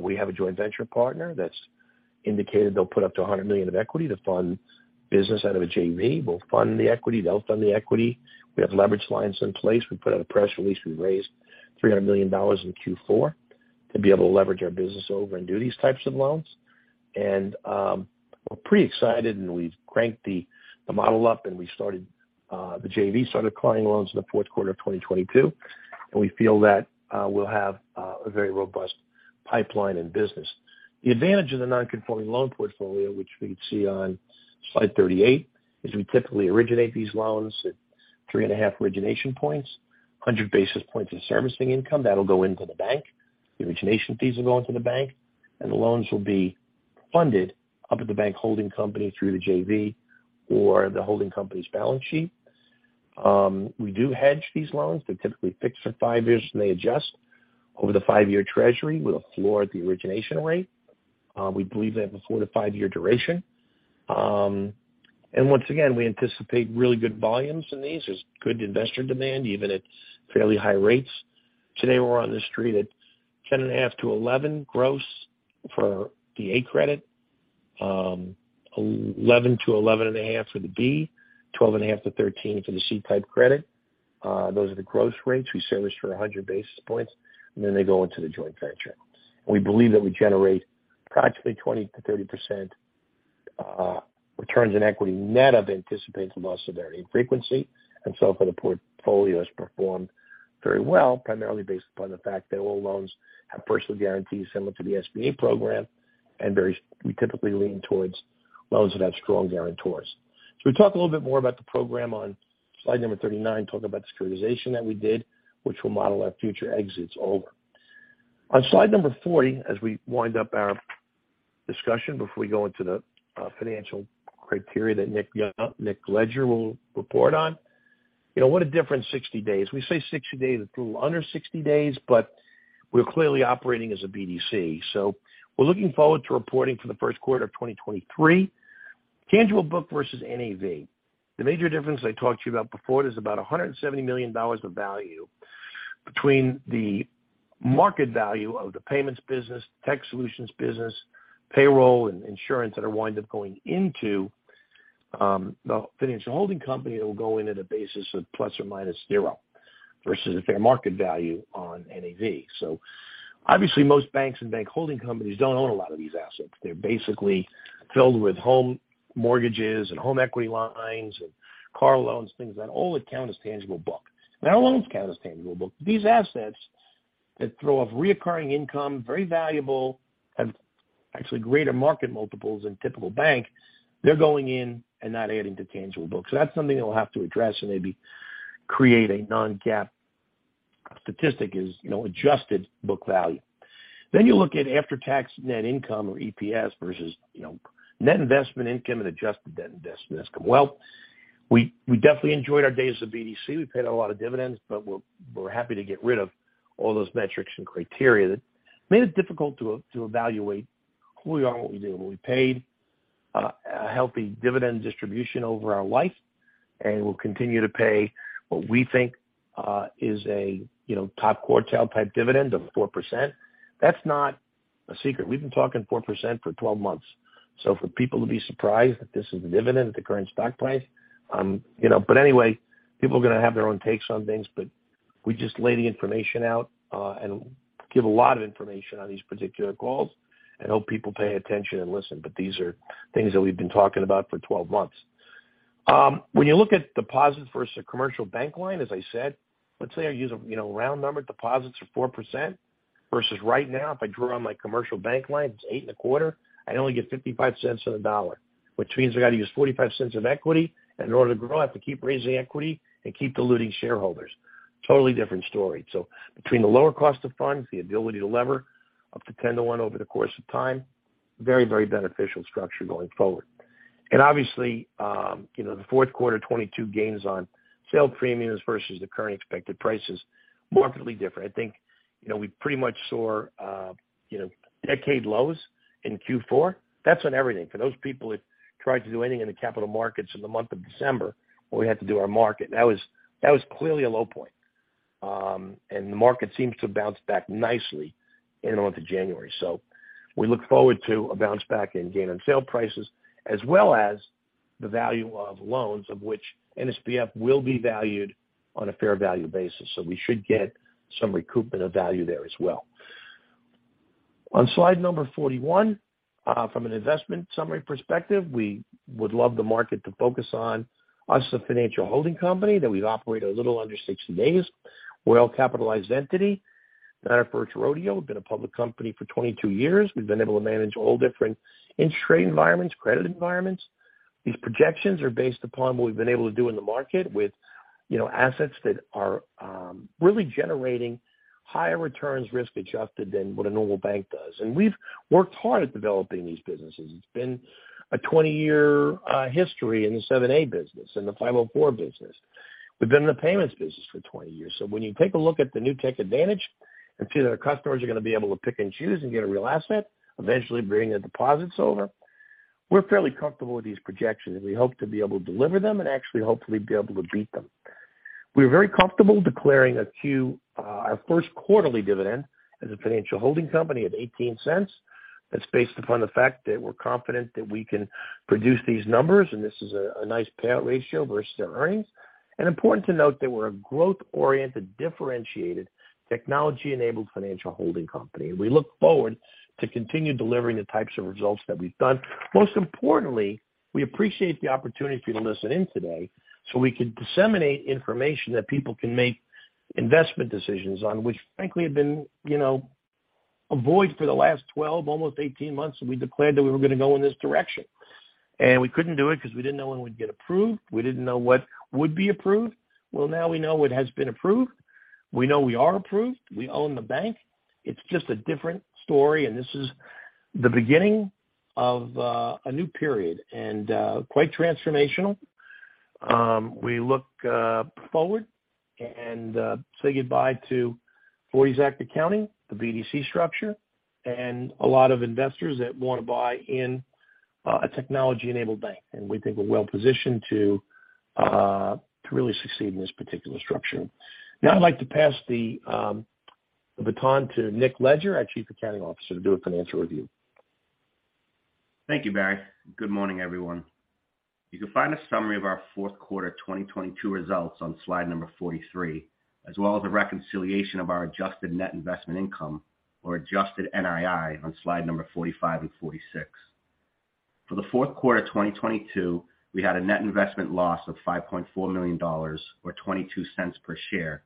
We have a joint venture partner that's indicated they'll put up to $100 million of equity to fund business out of a JV. We'll fund the equity. They'll fund the equity. We have leverage lines in place. We put out a press release. We raised $300 million in Q4 to be able to leverage our business over and do these types of loans. We're pretty excited, and we've cranked the model up, and we started, the JV started declining loans in the fourth quarter of 2022. We feel that we'll have a very robust pipeline in business. The advantage of the non-conforming loan portfolio, which we see on slide 38, is we typically originate these loans at 3.5 origination points, 100 basis points of servicing income. That'll go into the bank. The origination fees will go into the bank, and the loans will be funded up at the bank holding company through the JV or the holding company's balance sheet. We do hedge these loans. They're typically fixed for five-years, and they adjust over the five-years Treasury with a floor at the origination rate. We believe they have a four to five-years duration. Once again, we anticipate really good volumes in these. There's good investor demand, even at fairly high rates. Today, we're on the street at 10.5%-11% gross for the A credit, 11%-11.5% for the B. 12.5 to 13 for the C-type credit. Those are the gross rates. We service for 100 basis points, and then they go into the joint venture. We believe that we generate practically 20%-30% returns in equity net of anticipated loss severity and frequency. For the portfolio has performed very well, primarily based upon the fact that all loans have personal guarantees similar to the SBA program, and we typically lean towards loans that have strong guarantors. We talk a little bit more about the program on Slide number 39, talk about the securitization that we did, which we'll model our future exits over. On Slide number 40, as we wind up our discussion before we go into the financial criteria that Nick Leger will report on. You know, what a different 60 days. We say 60 days. It's a little under 60 days, but we're clearly operating as a BDC. We're looking forward to reporting for the first quarter of 2023. Tangible book versus NAV. The major difference I talked to you about before is about $170 million of value between the market value of the payments business, tech solutions business, payroll and insurance that'll wind up going into the financial holding company that will go in at a basis of ±0 versus a fair market value on NAV. Obviously, most banks and bank holding companies don't own a lot of these assets. They're basically filled with home mortgages and home equity lines and car loans, things that all account as tangible book. Our loans count as tangible book. These assets that throw off recurring income, very valuable, have actually greater market multiples than typical bank. They're going in and not adding to tangible book. That's something that we'll have to address and maybe create a non-GAAP statistic is, you know, adjusted book value. You look at after-tax net income or EPS versus, you know, net investment income and adjusted net investment income. We, we definitely enjoyed our days as a BDC. We paid out a lot of dividends, but we're happy to get rid of all those metrics and criteria that made it difficult to evaluate who we are and what we do. We paid a healthy dividend distribution over our life, and we'll continue to pay what we think, is a, you know, top quartile-type dividend of 4%. That's not a secret. We've been talking 4% for 12 months. For people to be surprised that this is the dividend at the current stock price, you know. Anyway, people are gonna have their own takes on things, but we just lay the information out and give a lot of information on these particular calls and hope people pay attention and listen. These are things that we've been talking about for 12 months. When you look at deposits versus a commercial bank line, as I said, let's say I use a, you know, round number, deposits are 4%, versus right now, if I drew on my commercial bank line, it's 8.25%. I only get $0.55 on the dollar, which means I gotta use $0.45 of equity. In order to grow, I have to keep raising equity and keep diluting shareholders. Totally different story. Between the lower cost of funds, the ability to lever up to 10 to one over the course of time, very, very beneficial structure going forward. Obviously, you know, the fourth quarter 2022 gains on sale premiums versus the current expected price is markedly different. I think, you know, we pretty much saw, you know, decade lows in Q4. That's on everything. For those people that tried to do anything in the capital markets in the month of December, when we had to do our market, that was clearly a low point. The market seems to have bounced back nicely in the month of January. We look forward to a bounce back and gain on sale prices as well as the value of loans of which NSBF will be valued on a fair value basis. We should get some recoupment of value there as well. On slide number 41, from an investment summary perspective, we would love the market to focus on us as a financial holding company, that we operate a little under 60 days. Well-capitalized entity. Not our first rodeo. We've been a public company for 22 years. We've been able to manage all different interest rate environments, credit environments. These projections are based upon what we've been able to do in the market with, you know, assets that are really generating higher returns risk-adjusted than what a normal bank does. We've worked hard at developing these businesses. It's been a 20-year history in the 7(a) business and the 504 business. We've been in the payments business for 20 years. When you take a look at the Newtek Advantage and see that our customers are gonna be able to pick and choose and get a real asset, eventually bring their deposits over, we're fairly comfortable with these projections. We hope to be able to deliver them and actually hopefully be able to beat them. We're very comfortable declaring our first quarterly dividend as a financial holding company at $0.18. That's based upon the fact that we're confident that we can produce these numbers, and this is a nice payout ratio versus their earnings. Important to note that we're a growth-oriented, differentiated, technology-enabled financial holding company. We look forward to continue delivering the types of results that we've done. Most importantly, we appreciate the opportunity to listen in today so we can disseminate information that people can make investment decisions on, which frankly have been, you know, a void for the last 12, almost 18 months, since we declared that we were gonna go in this direction. We couldn't do it because we didn't know when we'd get approved. We didn't know what would be approved. Now we know it has been approved. We know we are approved. We own the bank. It's just a different story, this is the beginning of a new period and quite transformational. We look forward and say goodbye to '40 Act accounting, the BDC structure, and a lot of investors that wanna buy in a technology-enabled bank. We think we're well-positioned to really succeed in this particular structure. Now I'd like to pass the baton to Nick Leger, our Chief Accounting Officer, to do a financial review. Thank you, Barry. Good morning, everyone. You can find a summary of our fourth quarter 2022 results on slide number 43, as well as a reconciliation of our adjusted net investment income or adjusted NII on slide number 45 and 46. For the fourth quarter of 2022, we had a net investment loss of $5.4 million or $0.22 per share,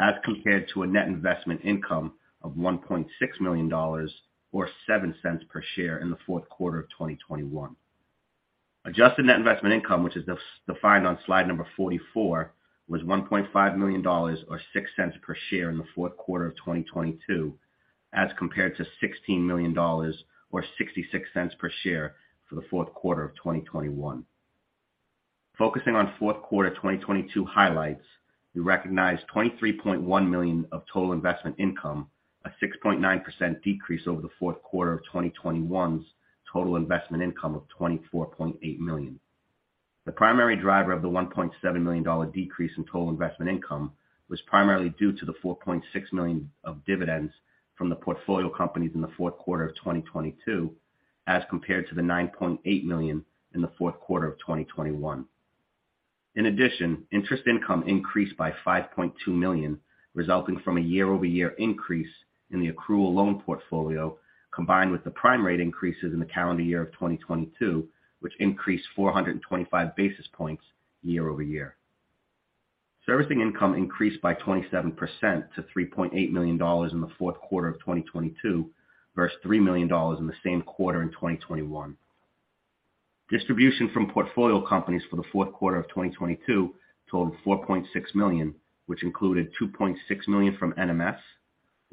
as compared to a net investment income of $1.6 million or $0.07 per share in the fourth quarter of 2021. Adjusted net investment income, which is defined on slide number 44, was $1.5 million or $0.06 per share in the fourth quarter of 2022, as compared to $16 million or $0.66 per share for the fourth quarter of 2021. Focusing on fourth quarter 2022 highlights, we recognized $23.1 million of total investment income, a 6.9% decrease over the fourth quarter of 2021's total investment income of $24.8 million. The primary driver of the $1.7 million decrease in total investment income was primarily due to the $4.6 million of dividends from the portfolio companies in the fourth quarter of 2022, as compared to the $9.8 million in the fourth quarter of 2021. In addition, interest income increased by $5.2 million, resulting from a year-over-year increase in the accrual loan portfolio, combined with the prime rate increases in the calendar year of 2022, which increased 425 basis points year-over-year. Servicing income increased by 27% to $3.8 million in the fourth quarter of 2022 versus $3 million in the same quarter in 2021. Distribution from portfolio companies for the fourth quarter of 2022 totaled $4.6 million, which included $2.6 million from NMS,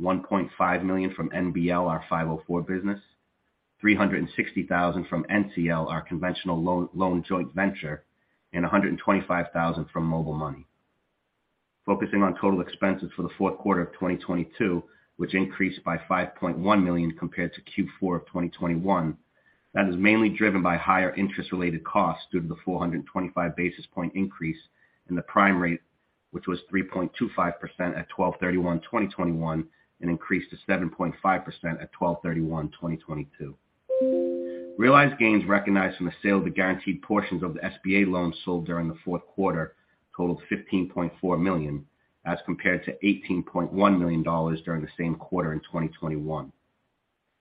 $1.5 million from NBL, our 504 business, $360,000 from NCL, our conventional loan joint venture, and $125,000 from Mobile Money. Focusing on total expenses for the fourth quarter of 2022, which increased by $5.1 million compared to Q4 of 2021, that is mainly driven by higher interest-related costs due to the 425 basis point increase in the prime rate, which was 3.25% at 12/31/2021 and increased to 7.5% at 12/31/2022. Realized gains recognized from the sale of the guaranteed portions of the SBA loans sold during the fourth quarter totaled $15.4 million as compared to $18.1 million during the same quarter in 2021.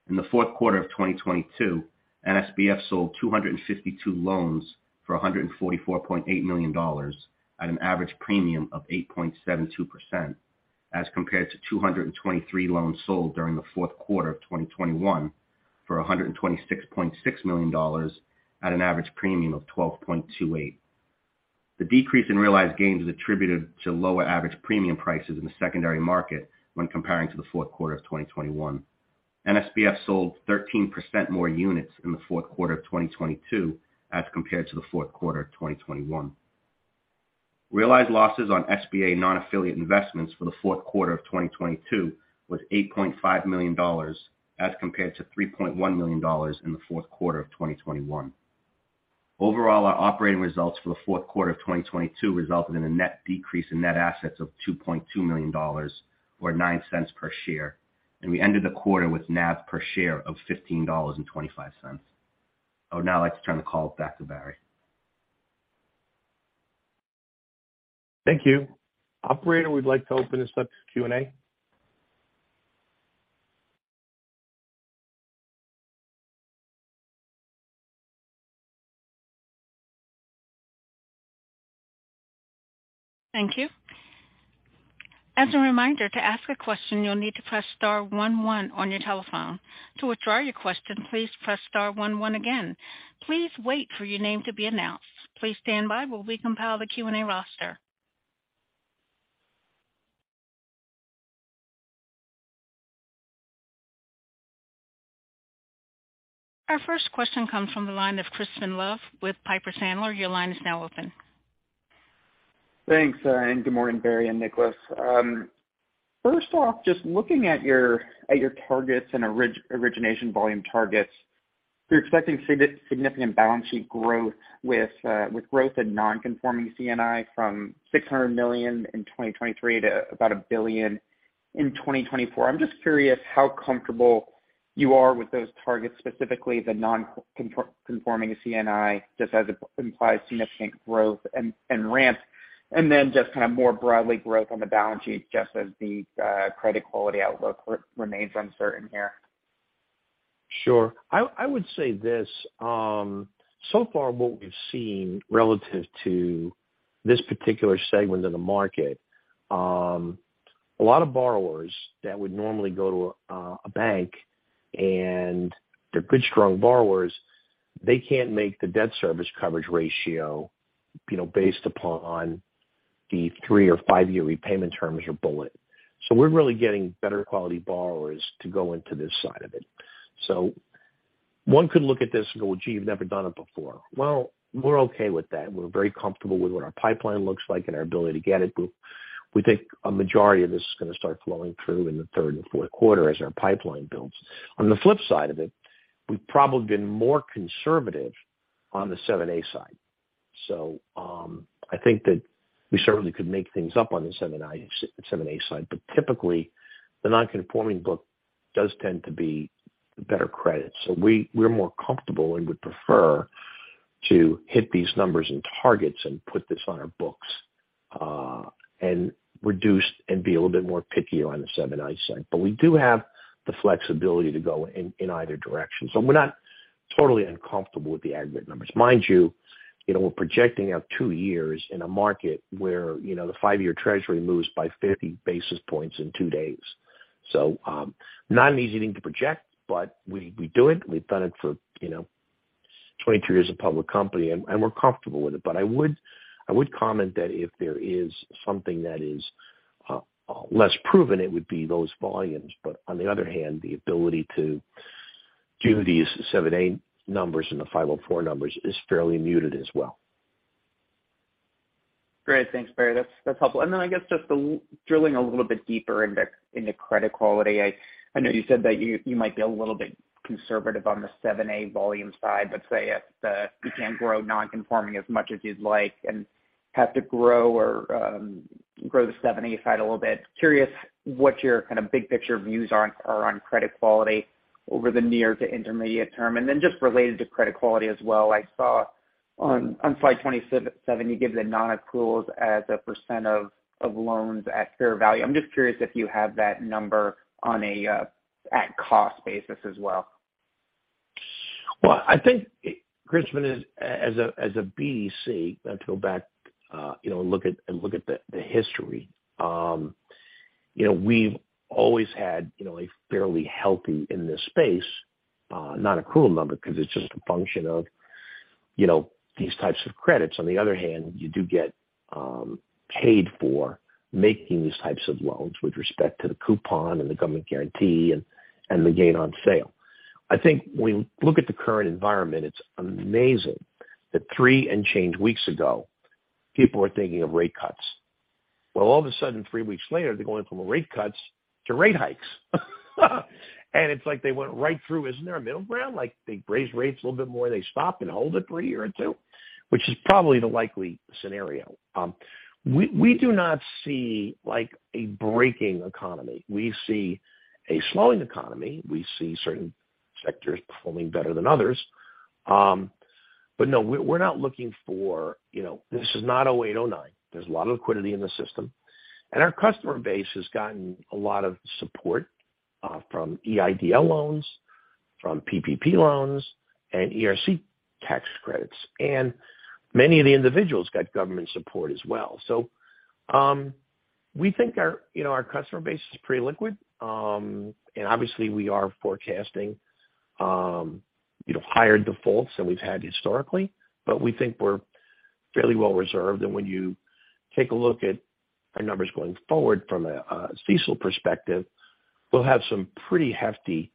In the fourth quarter of 2022, NSBF sold 252 loans for $144.8 million at an average premium of 8.72% as compared to 223 loans sold during the fourth quarter of 2021 for $126.6 million at an average premium of 12.28%. The decrease in realized gains is attributed to lower average premium prices in the secondary market when comparing to the fourth quarter of 2021. NSBF sold 13% more units in the fourth quarter of 2022 as compared to the fourth quarter of 2021. Realized losses on SBA non-affiliate investments for the fourth quarter of 2022 was $8.5 million as compared to $3.1 million in the fourth quarter of 2021. Overall, our operating results for the fourth quarter of 2022 resulted in a net decrease in net assets of $2.2 million or $0.09 per share, and we ended the quarter with NAV per share of $15.25. I would now like to turn the call back to Barry. Thank you. Operator, we'd like to open this up to Q&A. Thank you. As a reminder, to ask a question, you'll need to press star one one on your telephone. To withdraw your question, please press star one one again. Please wait for your name to be announced. Please stand by while we compile the Q&A roster. Our first question comes from the line of Crispin Love with Piper Sandler. Your line is now open. Thanks, good morning, Barry and Nicholas. First off, just looking at your targets and origination volume targets, you're expecting significant balance sheet growth with growth in non-conforming C&I from $600 million in 2023 to about $1 billion in 2024. I'm just curious how comfortable you are with those targets, specifically the non-conforming C&I, just as it implies significant growth and ramp. Just kind of more broadly growth on the balance sheet, just as the credit quality outlook remains uncertain here. Sure. I would say this. So far what we've seen relative to this particular segment of the market, a lot of borrowers that would normally go to a bank and they're good, strong borrowers, they can't make the debt service coverage ratio, you know, based upon the three or five-year repayment terms or bullet. We're really getting better quality borrowers to go into this side of it. One could look at this and go, "Well, gee, you've never done it before." Well, we're okay with that. We're very comfortable with what our pipeline looks like and our ability to get it. We think a majority of this is gonna start flowing through in the third and fourth quarter as our pipeline builds. On the flip side of it, we've probably been more conservative on the 7(a) side. I think that we certainly could make things up on the 7(a) side, typically the non-conforming book does tend to be better credit. We're more comfortable and would prefer to hit these numbers and targets and put this on our books, and reduce and be a little bit more picky on the 7(a) side. We do have the flexibility to go in either direction. We're not totally uncomfortable with the aggregate numbers. Mind you know, we're projecting out two-years in a market where, you know, the five-year Treasury moves by 50 basis points in two days. Not an easy thing to project, we do it. We've done it for, you know, 23 years of public company and we're comfortable with it. I would comment that if there is something that is less proven, it would be those volumes. On the other hand, the ability to do these 7(a) numbers and the 504 numbers is fairly muted as well. Great. Thanks, Barry. That's helpful. I guess just drilling a little bit deeper into credit quality. I know you said that you might be a little bit conservative on the 7(a) volume side, but say if you can't grow non-conforming as much as you'd like and have to grow or grow the 7(a) side a little bit, curious what your kind of big picture views are on credit quality over the near to intermediate term. Then just related to credit quality as well, I saw on slide 27, you give the non-accruals as a % of loans at fair value. I'm just curious if you have that number on a at cost basis as well. Well, I think Crispin, as a BEC, I have to go back, you know, look at the history. You know, we've always had, you know, a fairly healthy in this space, not accrual number because it's just a function of, you know, these types of credits. On the other hand, you do get paid for making these types of loans with respect to the coupon and the government guarantee and the gain on sale. I think when you look at the current environment, it's amazing that three and change weeks ago, people were thinking of rate cuts. Well, all of a sudden, three weeks later, they're going from rate cuts to rate hikes. It's like they went right through. Isn't there a middle ground? Like they raise rates a little bit more, they stop and hold it for a year or two, which is probably the likely scenario. We do not see like a breaking economy. We see a slowing economy. We see certain sectors performing better than others. No, we're not looking for, you know. This is not 2008, 2009. There's a lot of liquidity in the system. Our customer base has gotten a lot of support from EIDL loans, from PPP loans, and ERC tax credits. Many of the individuals got government support as well. We think our, you know, our customer base is pretty liquid. Obviously we are forecasting, you know, higher defaults than we've had historically. We think we're fairly well reserved. When you take a look at our numbers going forward from a CECL perspective, we'll have some pretty hefty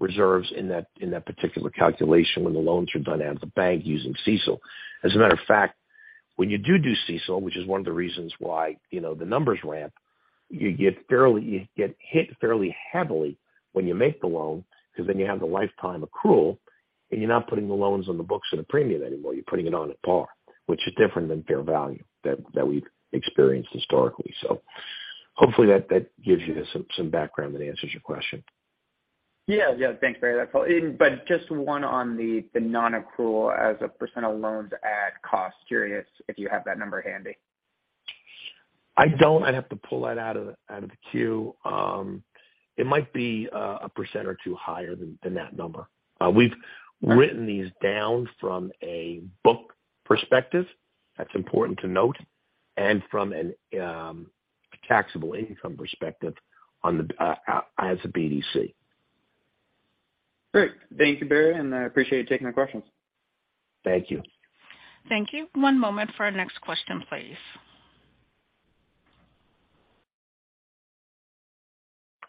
reserves in that particular calculation when the loans are done out of the bank using CECL. As a matter of fact, when you do CECL, which is one of the reasons why, you know, the numbers ramp, you get hit fairly heavily when you make the loan because then you have the lifetime accrual, and you're not putting the loans on the books at a premium anymore. You're putting it on at par, which is different than fair value that we've experienced historically. Hopefully that gives you some background and answers your question. Yeah. Yeah. Thanks, Barry. That's all. Just one on the non-accrual as a % of loans at cost. Curious if you have that number handy? I don't. I'd have to pull that out of the queue. It might be 1% or 2% higher than that number. We've written these down from a book perspective. That's important to note. From an Taxable income perspective on the, as a BDC. Great. Thank you, Barry. I appreciate you taking my questions. Thank you. Thank you. One moment for our next question, please.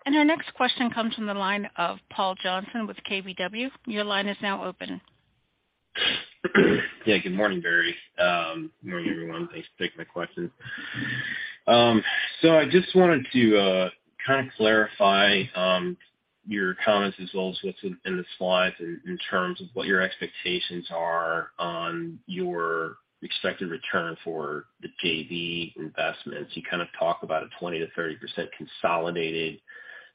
Our next question comes from the line of Paul Johnson with KBW. Your line is now open. Good morning, Barry. Good morning, everyone. Thanks for taking my questions. I just wanted to kind of clarify your comments as well as what's in the slides in terms of what your expectations are on your expected return for the JV investments. You kind of talk about a 20%-30% consolidated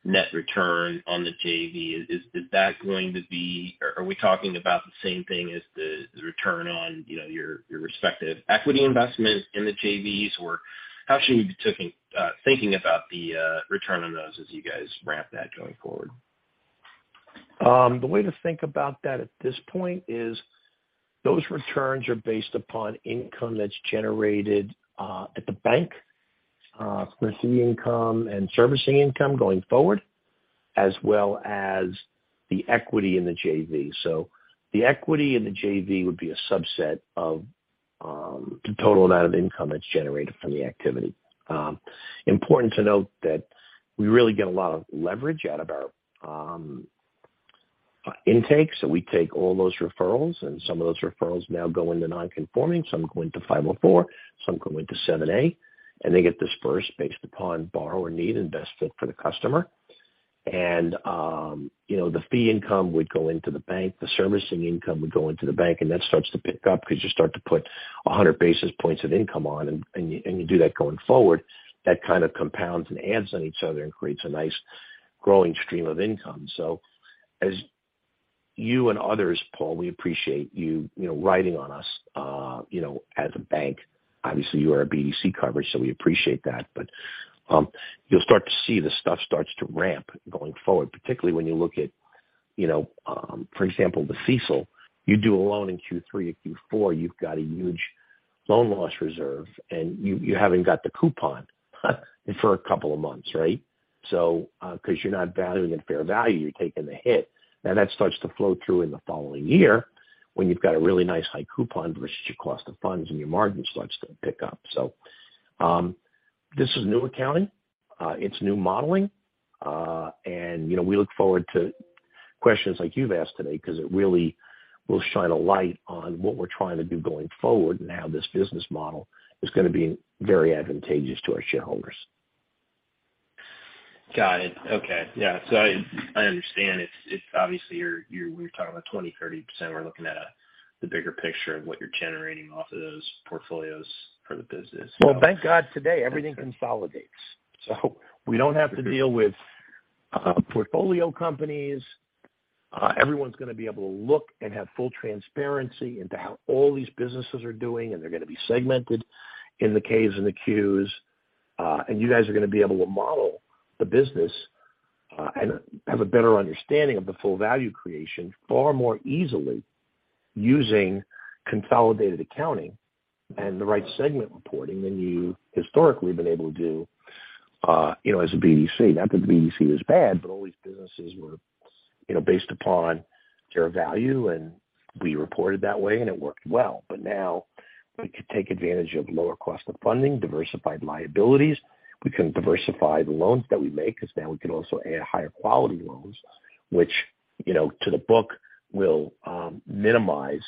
net return on the JV. Is that going to be? Are we talking about the same thing as the return on, you know, your respective equity investment in the JVs? Or how should we be thinking about the return on those as you guys ramp that going forward? The way to think about that at this point is those returns are based upon income that's generated at the bank for fee income and servicing income going forward, as well as the equity in the JV. The equity in the JV would be a subset of the total amount of income that's generated from the activity. Important to note that we really get a lot of leverage out of our intake. We take all those referrals, and some of those referrals now go into non-conforming, some go into 504, some go into 7(a), and they get dispersed based upon borrower need and best fit for the customer. You know, the fee income would go into the bank, the servicing income would go into the bank, and that starts to pick up because you start to put 100 basis points of income on and you do that going forward. That kind of compounds and adds on each other and creates a nice growing stream of income. As you and others, Paul, we appreciate you know, riding on us, you know, as a bank. Obviously, you are a BDC coverage, so we appreciate that. You'll start to see the stuff starts to ramp going forward, particularly when you look at, you know, for example, the CECL. You do a loan in Q3 or Q4, you've got a huge loan loss reserve, and you haven't got the coupon for a couple of months, right? 'Cause you're not valuing at fair value, you're taking the hit. Now that starts to flow through in the following year when you've got a really nice high coupon versus your cost of funds, and your margin starts to pick up. This is new accounting. It's new modeling. You know, we look forward to questions like you've asked today because it really will shine a light on what we're trying to do going forward and how this business model is gonna be very advantageous to our shareholders. Got it. Okay. Yeah. I understand. It's obviously We're talking about 20%, 30%. We're looking at the bigger picture of what you're generating off of those portfolios for the business. Well, thank God today everything consolidates. we don't have to deal with portfolio companies. everyone's gonna be able to look and have full transparency into how all these businesses are doing, and they're gonna be segmented in the Ks and the Qs. and you guys are gonna be able to model the business and have a better understanding of the full value creation far more easily using consolidated accounting and the right segment reporting than you historically have been able to do, you know, as a BDC. Not that the BDC was bad, all these businesses were, you know, based upon fair value, and we reported that way, and it worked well. now we can take advantage of lower cost of funding, diversified liabilities. We can diversify the loans that we make because now we can also add higher quality loans, which, you know, to the book will minimize,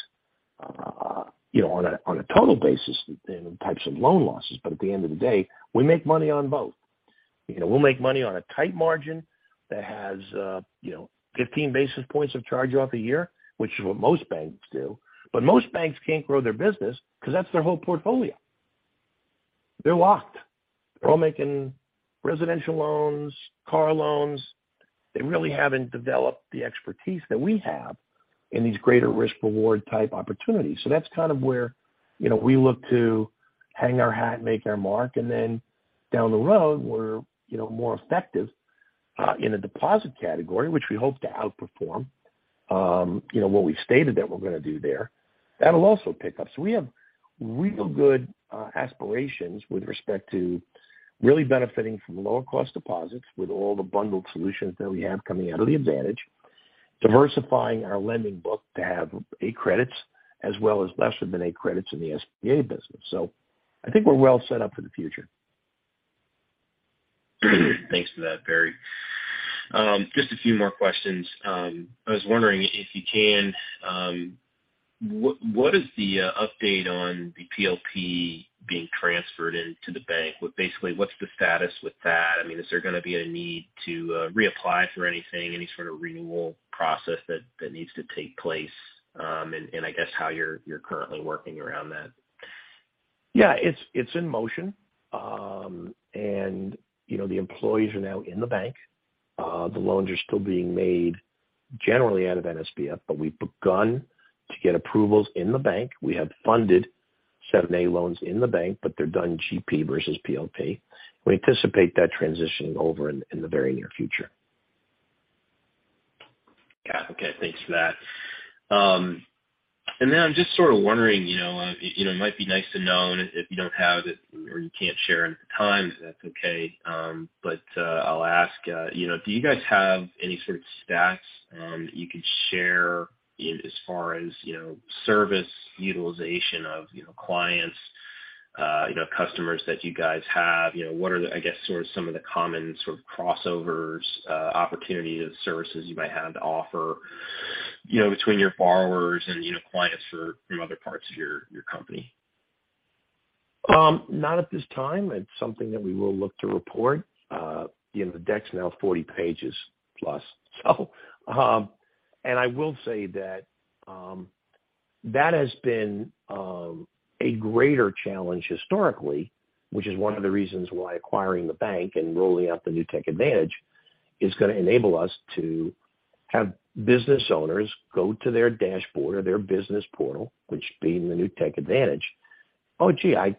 you know, on a, on a total basis in types of loan losses. At the end of the day, we make money on both. You know, we'll make money on a tight margin that has, you know, 15 basis points of charge off a year, which is what most banks do. Most banks can't grow their business because that's their whole portfolio. They're locked. They're all making residential loans, car loans. They really haven't developed the expertise that we have in these greater risk/reward type opportunities. That's kind of where, you know, we look to hang our hat and make our mark. Then down the road, we're, you know, more effective in the deposit category, which we hope to outperform, you know, what we're gonna do there. That'll also pick up. We have real good aspirations with respect to really benefiting from lower cost deposits with all the bundled solutions that we have coming out of The Advantage, diversifying our lending book to have A credits as well as lesser than A credits in the SBA business. I think we're well set up for the future. Thanks for that, Barry. Just a few more questions. I was wondering if you can, what is the update on the PLP being transferred into the bank? Basically, what's the status with that? I mean, is there gonna be a need to reapply for anything, any sort of renewal process that needs to take place? I guess how you're currently working around that. Yeah. It's, it's in motion. You know, the employees are now in the bank. The loans are still being made generally out of NSBF, but we've begun to get approvals in the bank. We have funded 7(a) loans in the bank, but they're done GP versus PLP. We anticipate that transitioning over in the very near future. Thanks for that. I'm just sort of wondering, you know, it might be nice to know and if you don't have it or you can't share it at the time, that's okay. I'll ask, you know, do you guys have any sort of stats you could share in as far as, you know, service utilization of, you know, clients, customers that you guys have? You know, what are the, I guess, sort of some of the common sort of crossovers, opportunities, services you might have to offer, you know, between your borrowers and, you know, clients for, from other parts of your company? Not at this time. It's something that we will look to report. You know, the deck's now 40 pages plus. I will say that that has been a greater challenge historically, which is one of the reasons why acquiring the bank and rolling out the Newtek Advantage is gonna enable us to have business owners go to their dashboard or their business portal, which being the Newtek Advantage. Oh, gee, I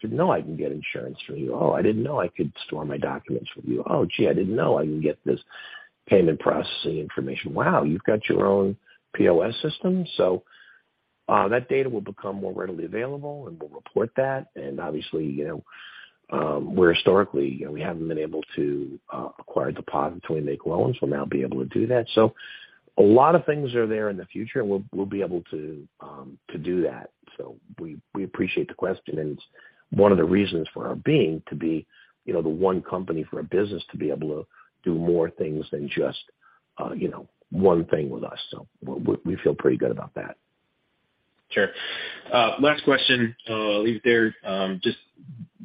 didn't know I can get insurance from you. Oh, I didn't know I could store my documents with you. Oh, gee, I didn't know I can get this payment processing information. Wow, you've got your own POS system. That data will become more readily available, and we'll report that. Obviously, you know, we're historically, you know, we haven't been able to acquire deposits when we make loans. We'll now be able to do that. A lot of things are there in the future. We'll be able to do that. We appreciate the question, and it's one of the reasons for our being to be, you know, the one company for a business to be able to do more things than just, you know, one thing with us. We feel pretty good about that. Sure. Last question. I'll leave it there. Just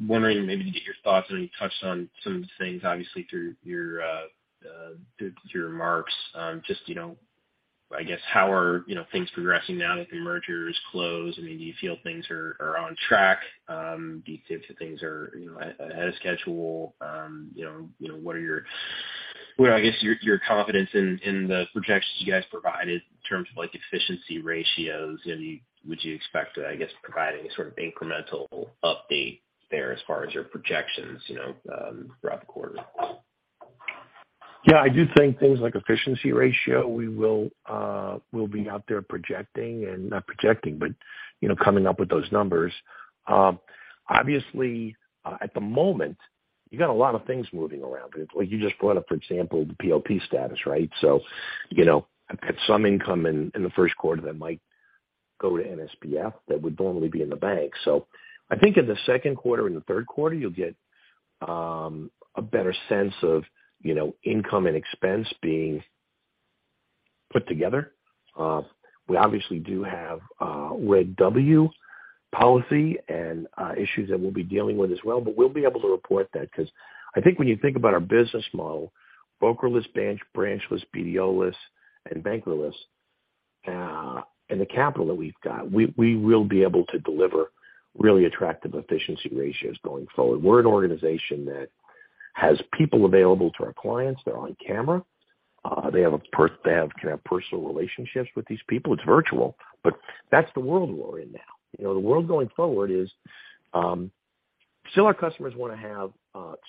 wondering, maybe to get your thoughts, I know you touched on some of the things obviously through your through your remarks, just, you know, I guess how are, you know, things progressing now that the merger is closed? I mean, do you feel things are on track? Do you feel things are, you know, ahead of schedule? You know, what are your Well, I guess your confidence in the projections you guys provided in terms of like efficiency ratios? Would you expect, I guess, providing a sort of incremental update there as far as your projections, you know, throughout the quarter? I do think things like efficiency ratio, we will be out there Not projecting, but, you know, coming up with those numbers. Obviously, at the moment, you got a lot of things moving around. Like you just brought up, for example, the PLP status, right? I've had some income in the first quarter that might go to NSBF that would normally be in the bank. I think in the second quarter and the third quarter, you'll get a better sense of, you know, income and expense being put together. We obviously do have Reg W policy and issues that we'll be dealing with as well, but we'll be able to report that. 'Cause I think when you think about our business model, brokerless, branchless, BDO-less and bankerless, and the capital that we've got, we will be able to deliver really attractive efficiency ratios going forward. We're an organization that has people available to our clients. They're on camera. They have personal relationships with these people. It's virtual, but that's the world we're in now. You know, the world going forward is, still our customers wanna have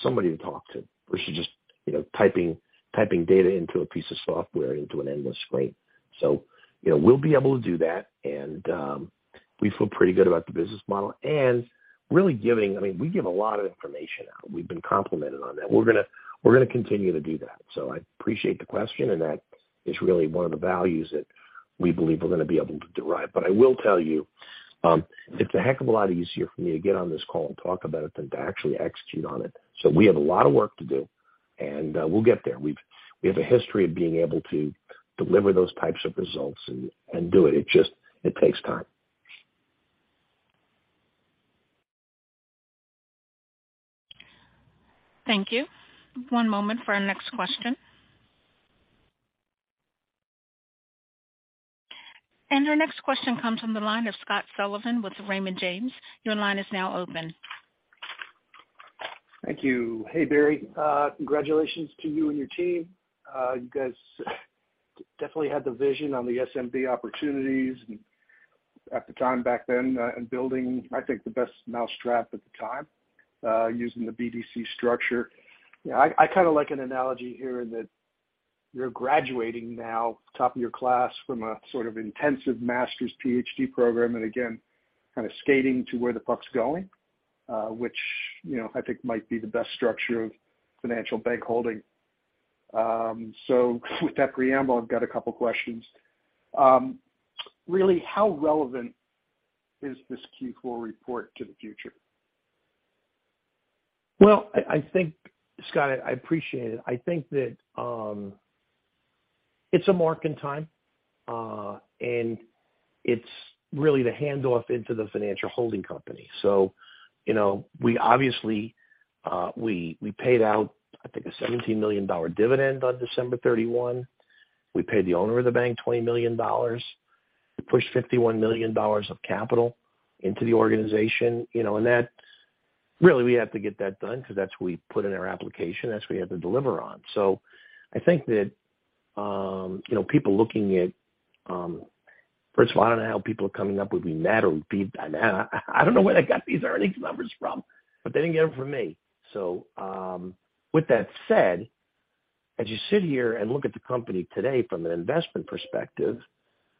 somebody to talk to versus just, you know, typing data into a piece of software into an endless screen. You know, we'll be able to do that, and we feel pretty good about the business model. Really giving. I mean, we give a lot of information out. We've been complimented on that. We're gonna continue to do that. I appreciate the question, and that is really one of the values that we believe we're gonna be able to derive. I will tell you, it's a heck of a lot easier for me to get on this call and talk about it than to actually execute on it. We have a lot of work to do, and we'll get there. We have a history of being able to deliver those types of results and do it. It just, it takes time. Thank you. One moment for our next question. Our next question comes from the line of Steve Moss with Raymond James. Your line is now open. Thank you. Hey, Barry. Congratulations to you and your team. You guys definitely had the vision on the SMB opportunities and at the time back then, in building, I think, the best mousetrap at the time, using the BDC structure. You know, I kind of like an analogy here that you're graduating now top of your class from a sort of intensive master's PhD program, and again, kind of skating to where the puck's going, which, you know, I think might be the best structure of financial bank holding. With that preamble, I've got a couple questions. Really, how relevant is this Q4 report to the future? I think Steve, I appreciate it. I think that it's a mark in time, and it's really the handoff into the financial holding company. You know, we obviously paid out, I think, a $17 million dividend on December 31. We paid the owner of the bank $20 million. We pushed $51 million of capital into the organization. You know, and that's, Really, we have to get that done because that's what we put in our application. That's what we have to deliver on. I think that, you know, people looking at, First of all, I don't know how people are coming up with me mad or beat. I don't know where they got these earnings numbers from, but they didn't get them from me. With that said, as you sit here and look at the company today from an investment perspective,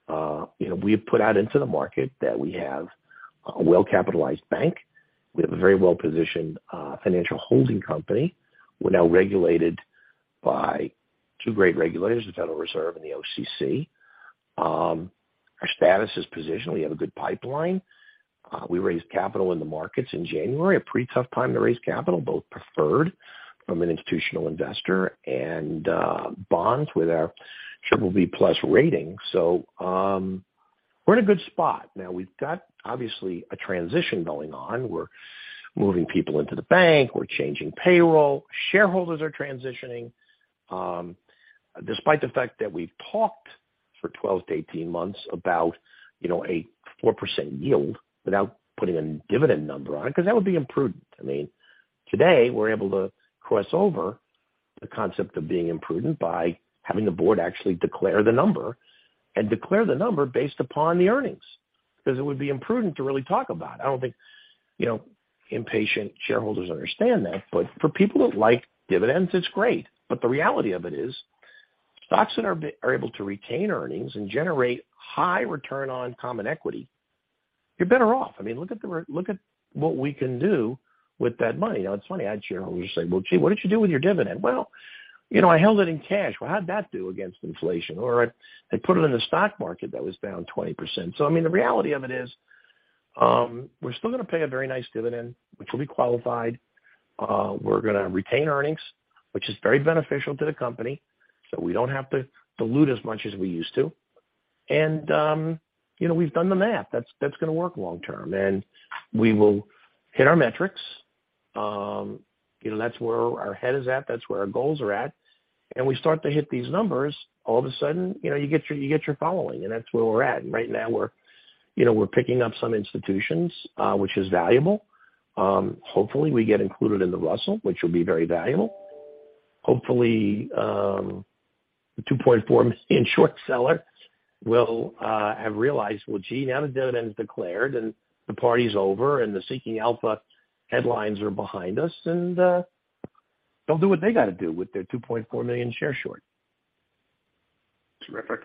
you know, we have put out into the market that we have a well-capitalized bank. We have a very well-positioned financial holding company. We're now regulated by two great regulators, the Federal Reserve and the OCC. Our status is positional. We have a good pipeline. We raised capital in the markets in January, a pretty tough time to raise capital, both preferred from an institutional investor and bonds with our triple B plus rating. We're in a good spot. Now we've got obviously a transition going on. We're moving people into the bank. We're changing payroll. Shareholders are transitioning. Despite the fact that we've talked for 12 to 18 months about, you know, a 4% yield without putting a dividend number on it, because that would be imprudent. I mean, today we're able to cross over the concept of being imprudent by having the board actually declare the number and declare the number based upon the earnings, because it would be imprudent to really talk about. I don't think, you know, impatient shareholders understand that. For people that like dividends, it's great. The reality of it is stocks that are able to retain earnings and generate high return on common equity, you're better off. I mean, look at what we can do with that money. It's funny, I had shareholders say, "Well, gee, what did you do with your dividend?" Well, you know, I held it in cash. Well, how'd that do against inflation? I put it in the stock market that was down 20%. I mean, the reality of it is, we're still gonna pay a very nice dividend, which will be qualified. We're gonna retain earnings, which is very beneficial to the company, so we don't have to dilute as much as we used to. You know, we've done the math. That's gonna work long term. We will hit our metrics. You know, that's where our head is at, that's where our goals are at. We start to hit these numbers, all of a sudden, you know, you get your following, and that's where we're at. Right now we're, you know, we're picking up some institutions, which is valuable. Hopefully, we get included in the Russell, which will be very valuable. Hopefully, the $2.4 million short sellers will have realized, now the dividend is declared and the party's over and the Seeking Alpha headlines are behind us, and they'll do what they gotta do with their $2.4 million share short. Terrific.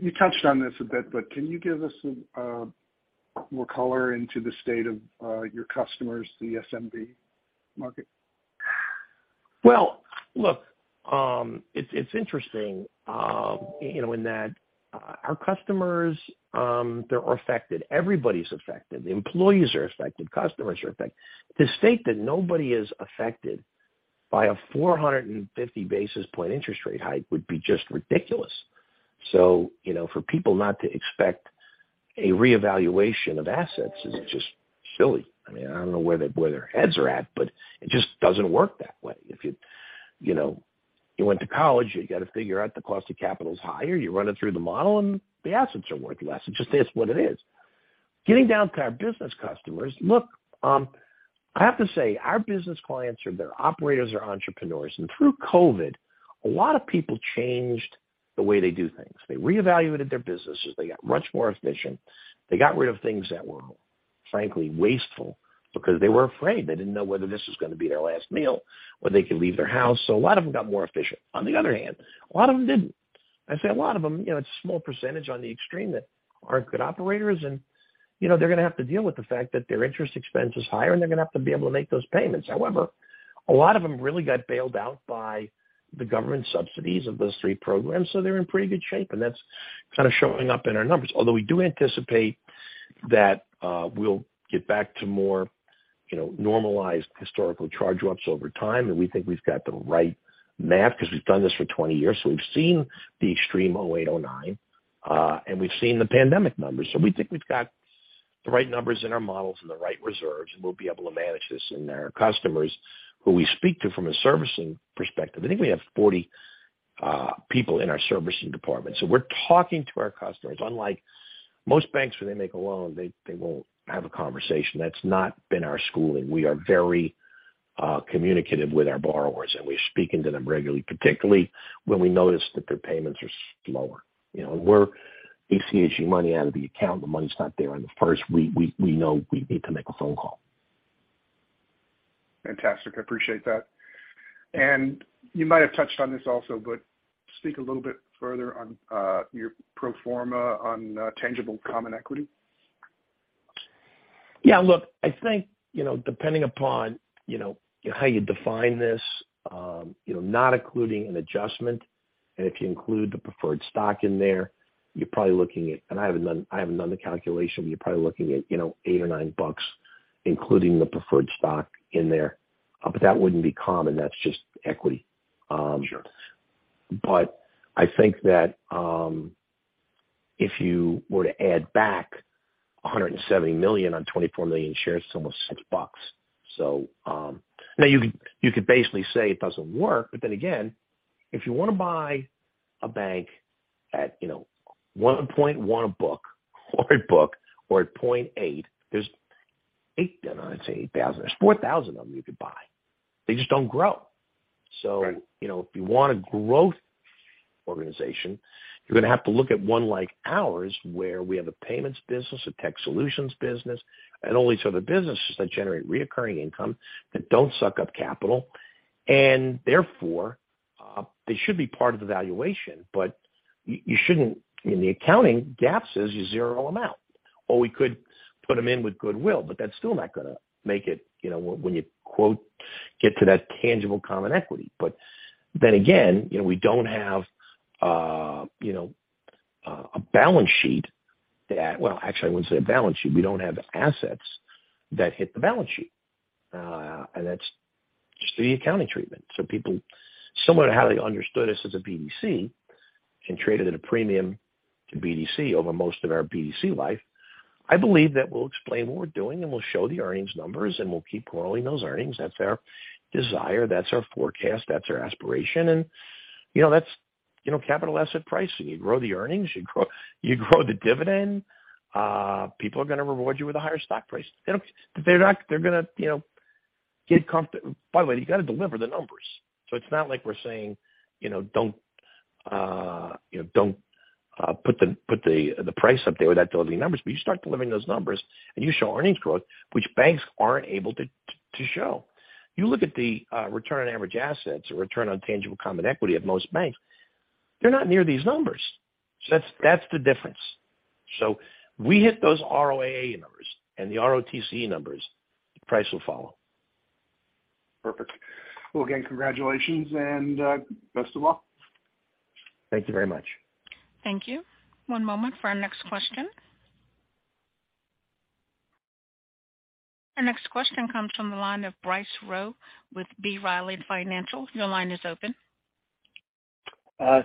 You touched on this a bit, but can you give us more color into the state of your customers, the SMB market? Look, it's interesting, you know, in that, our customers, they're affected. Everybody's affected. The employees are affected. Customers are affected. To state that nobody is affected by a 450 basis point interest rate hike would be just ridiculous. You know, for people not to expect a reevaluation of assets is just silly. I mean, I don't know where their heads are at, but it just doesn't work that way. If you know, you went to college, you got to figure out the cost of capital is higher, you run it through the model, and the assets are worth less. It just is what it is. Getting down to our business customers. Look, I have to say our business clients are their operators or entrepreneurs, through COVID, a lot of people changed the way they do things. They reevaluated their businesses. They got much more efficient. They got rid of things that were frankly wasteful because they were afraid. They didn't know whether this was gonna be their last meal or they could leave their house. A lot of them got more efficient. On the other hand, a lot of them didn't. I say a lot of them, you know, it's a small percentage on the extreme that aren't good operators. You know, they're gonna have to deal with the fact that their interest expense is higher and they're gonna have to be able to make those payments. However, a lot of them really got bailed out by the government subsidies of those three programs. They're in pretty good shape, and that's kind of showing up in our numbers. Although we do anticipate that we'll get back to more, you know, normalized historical charge-offs over time, and we think we've got the right math because we've done this for 20 years. We've seen the extreme 2008, 2009, and we've seen the pandemic numbers. We think we've got the right numbers in our models and the right reserves, and we'll be able to manage this. Our customers who we speak to from a servicing perspective. I think we have 40 people in our servicing department. We're talking to our customers. Unlike most banks, when they make a loan, they won't have a conversation. That's not been our schooling. We are very communicative with our borrowers, and we're speaking to them regularly, particularly when we notice that their payments are slower. You know, we're ACH-ing money out of the account. The money's not there on the first week. We know we need to make a phone call. Fantastic. I appreciate that. You might have touched on this also, but speak a little bit further on your pro forma on tangible common equity. Yeah, look, I think, you know, depending upon, you know, how you define this, you know, not including an adjustment and if you include the preferred stock in there, you're probably looking at. I haven't done the calculation, but you're probably looking at, you know, $8 or $9, including the preferred stock in there. That wouldn't be common. That's just equity. Sure. I think that, if you were to add back $170 million on $24 million shares, it's almost $6. Now you could basically say it doesn't work. If you wanna buy a bank at, you know, 1.1 a book or a book or at 0.8, I say 8,000. There's 4,000 of them you could buy. They just don't grow. You know, if you want a growth organization, you're gonna have to look at one like ours, where we have a payments business, a tech solutions business, and all these other businesses that generate reoccurring income that don't suck up capital. They should be part of the valuation. In the accounting, GAAP says you zero them out. We could put them in with goodwill, but that's still not gonna make it, you know, when you quote, get to that tangible common equity. Again, you know, we don't have, you know, a balance sheet. Well, actually I wouldn't say a balance sheet. We don't have assets that hit the balance sheet. That's just the accounting treatment. People similar to how they understood us as a BDC and traded at a premium to BDC over most of our BDC life. I believe that we'll explain what we're doing, and we'll show the earnings numbers, and we'll keep growing those earnings. That's our desire, that's our forecast, that's our aspiration. You know, that's, you know, capital asset pricing. You grow the earnings, you grow the dividend. People are gonna reward you with a higher stock price. They're gonna, you know, get comfort. By the way, you gotta deliver the numbers. It's not like we're saying, you know, don't, you know, don't put the price up there without delivering numbers. You start delivering those numbers and you show earnings growth, which banks aren't able to show. You look at the return on average assets or return on tangible common equity at most banks, they're not near these numbers. That's the difference. We hit those ROAA numbers and the ROTC numbers, the price will follow. Perfect. Well, again, congratulations and best of luck. Thank you very much. Thank you. One moment for our next question. Our next question comes from the line of Bryce Rowe with B. Riley Financial. Your line is open.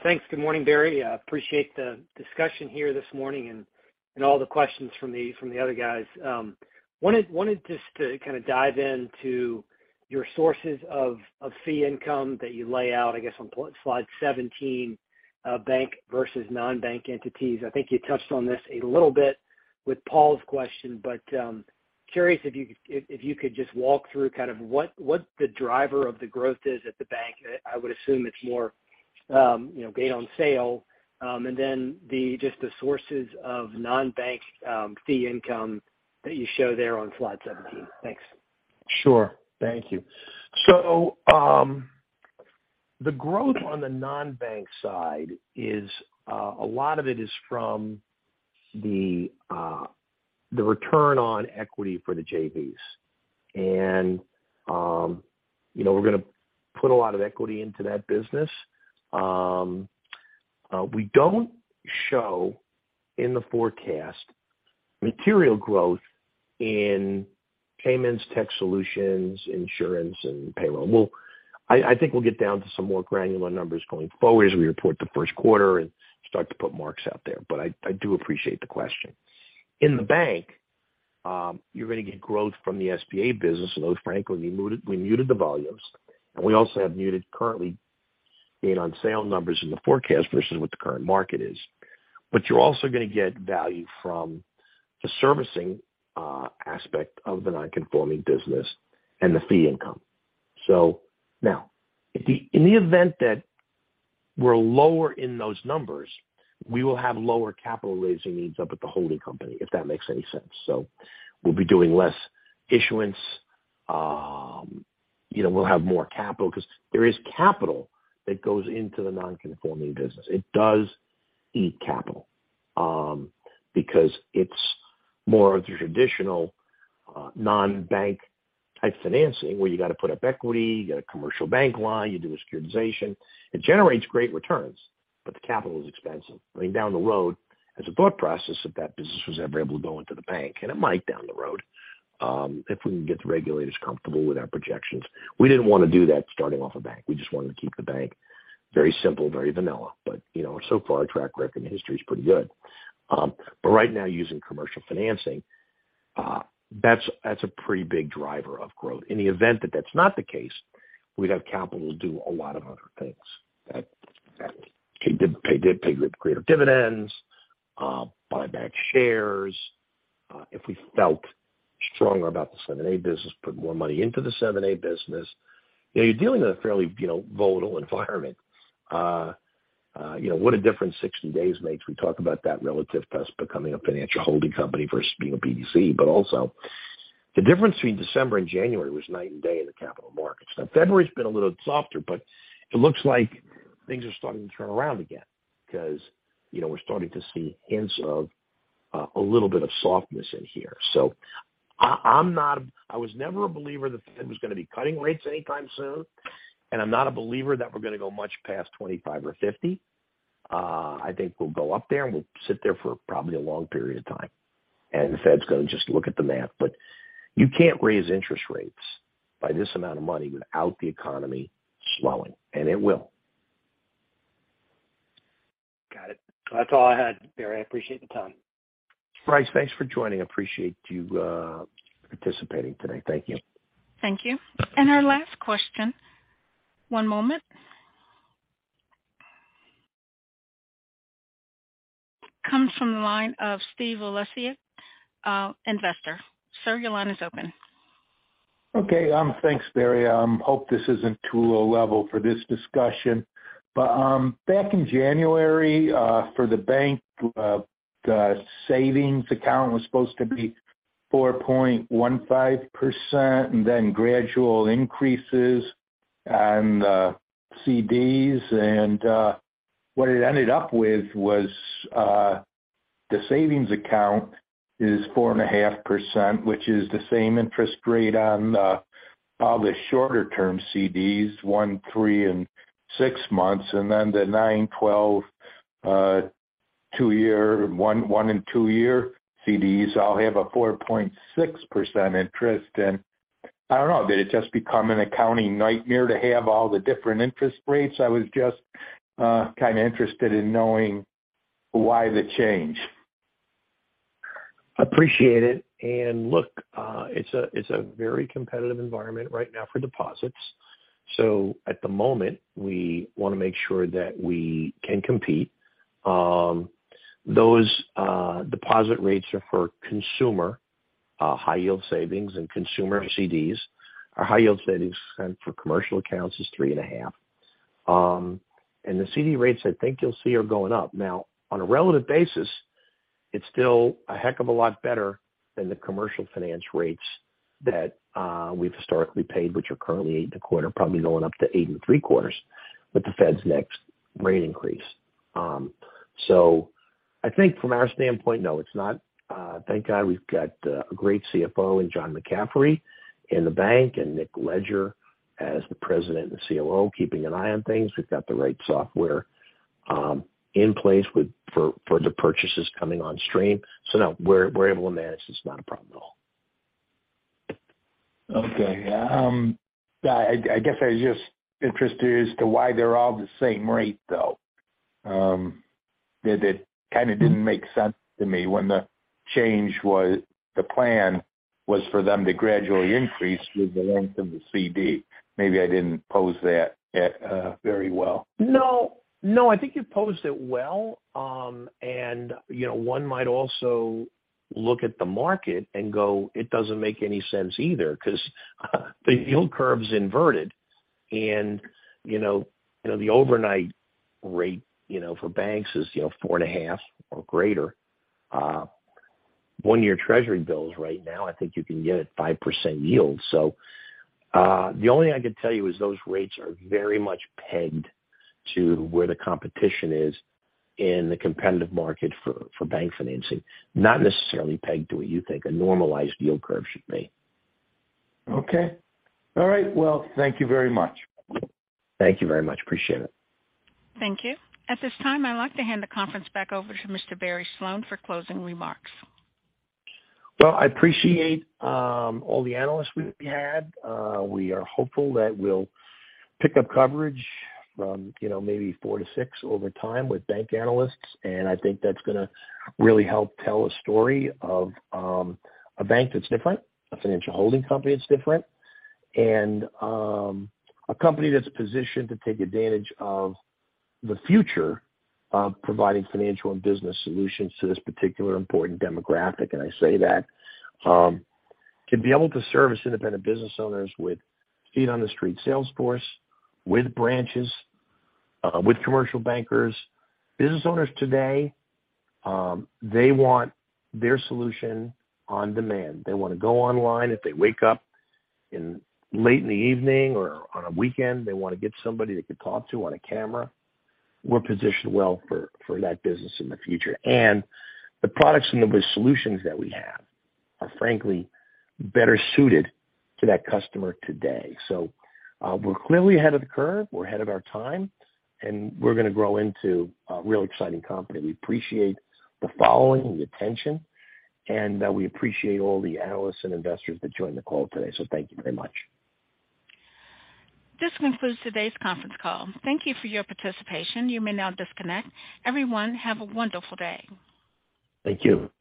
Thanks. Good morning, Barry. I appreciate the discussion here this morning and all the questions from the other guys. Wanted just to kind of dive into your sources of fee income that you lay out, I guess on slide 17, bank versus non-bank entities. I think you touched on this a little bit with Paul's question, but curious if you could just walk through kind of what the driver of the growth is at the bank. I would assume it's more, you know, gain on sale. And then just the sources of non-bank fee income that you show there on slide 17. Thanks. Sure. Thank you. The growth on the non-bank side is a lot of it is from the return on equity for the JVs. You know, we're gonna put a lot of equity into that business. We don't show in the forecast material growth in payments, tech solutions, insurance, and payroll. I think we'll get down to some more granular numbers going forward as we report the first quarter and start to put marks out there. I do appreciate the question. In the bank, you're gonna get growth from the SBA business, although frankly, we muted the volumes and we also have muted currently gain on sale numbers in the forecast versus what the current market is. You're also gonna get value from the servicing aspect of the non-conforming business and the fee income. Now, in the event that we're lower in those numbers, we will have lower capital raising needs up at the holding company, if that makes any sense. We'll be doing less issuance. You know, we'll have more capital because there is capital that goes into the non-conforming business. It does eat capital because it's more of the traditional non-bank type financing where you gotta put up equity, you got a commercial bank line, you do a securitization. It generates great returns, but the capital is expensive. I mean, down the road as a thought process, if that business was ever able to go into the bank, and it might down the road, if we can get the regulators comfortable with our projections. We didn't wanna do that starting off a bank. We just wanted to keep the bank very simple, very vanilla. You know, so far our track record and history is pretty good. Right now using commercial financing, that's a pretty big driver of growth. In the event that that's not the case, we'd have capital to do a lot of other things that pay creative dividends, buy back shares. If we felt stronger about the 7(a) business, put more money into the 7(a) business. You know, you're dealing with a fairly, you know, volatile environment. You know, what a different 60 days makes. We talk about that relative test becoming a financial holding company versus being a BDC. Also the difference between December and January was night and day in the capital markets. February's been a little softer, but it looks like things are starting to turn around again because, you know, we're starting to see hints of a little bit of softness in here. I was never a believer that the Fed was gonna be cutting rates anytime soon, and I'm not a believer that we're gonna go much past 25 or 50. I think we'll go up there and we'll sit there for probably a long period of time, and the Fed's gonna just look at the math. You can't raise interest rates by this amount of money without the economy slowing. It will. Got it. That's all I had, Barry. I appreciate the time. Bryce, thanks for joining. I appreciate you participating today. Thank you. Thank you. Our last question. One moment. Comes from the line of Steve Alessi, Investor. Sir, your line is open. Okay. Thanks, Barry. Hope this isn't too low level for this discussion. Back in January, for the bank, the savings account was supposed to be 4.15% and then gradual increases on CDs. What it ended up with was the savings account is 4.5%, which is the same interest rate on all the shorter term CDs, one, three and six months. Then the nine, 12, two-years, one and two-years CDs all have a 4.6% interest. I don't know, did it just become an accounting nightmare to have all the different interest rates? I was just kind of interested in knowing why the change. Appreciate it. Look, it's a very competitive environment right now for deposits. At the moment, we wanna make sure that we can compete. Those deposit rates are for consumer high yield savings and consumer CDs. Our high yield savings and for commercial accounts is 3.5%. The CD rates I think you'll see are going up. Now, on a relative basis, it's still a heck of a lot better than the commercial finance rates that we've historically paid, which are currently 8.25%, probably going up to 8.75% with the Fed's next rate increase. I think from our standpoint, no, it's not. Thank God we've got a great Chief Financial Officer in John McCaffery in the bank and Nick Leger as the President and Chief Accounting Officer keeping an eye on things. We've got the right software, in place for the purchases coming on stream. No, we're able to manage. It's not a problem at all. Okay. Yeah, I guess I was just interested as to why they're all the same rate, though. That it kind of didn't make sense to me when the change was, the plan was for them to gradually increase with the length of the CD. Maybe I didn't pose that very well. No, no, I think you posed it well. You know, one might also look at the market and go, it doesn't make any sense either, 'cause the yield curve's inverted. You know, the overnight rate, you know, for banks is, you know, 4.5 or greater. one-year treasury bills right now, I think you can get a 5% yield. The only thing I can tell you is those rates are very much pegged to where the competition is in the competitive market for bank financing, not necessarily pegged to what you think a normalized yield curve should be. Okay. All right. Well, thank you very much. Thank you very much. Appreciate it. Thank you. At this time, I'd like to hand the conference back over to Mr. Barry Sloane for closing remarks. Well, I appreciate all the analysts we've had. We are hopeful that we'll pick up coverage from, you know, maybe four to six over time with bank analysts. I think that's gonna really help tell a story of a bank that's different, a financial holding company that's different, and a company that's positioned to take advantage of the future of providing financial and business solutions to this particular important demographic. I say that to be able to service independent business owners with feet on the street salesforce, with branches, with commercial bankers. Business owners today, they want their solution on demand. They wanna go online if they wake up in late in the evening or on a weekend, they wanna get somebody they can talk to on a camera. We're positioned well for that business in the future. The products and the solutions that we have are frankly better suited to that customer today. We're clearly ahead of the curve. We're ahead of our time. We're gonna grow into a real exciting company. We appreciate the following, the attention, and we appreciate all the analysts and investors that joined the call today. Thank you very much. This concludes today's conference call. Thank you for your participation. You may now disconnect. Everyone, have a wonderful day. Thank you.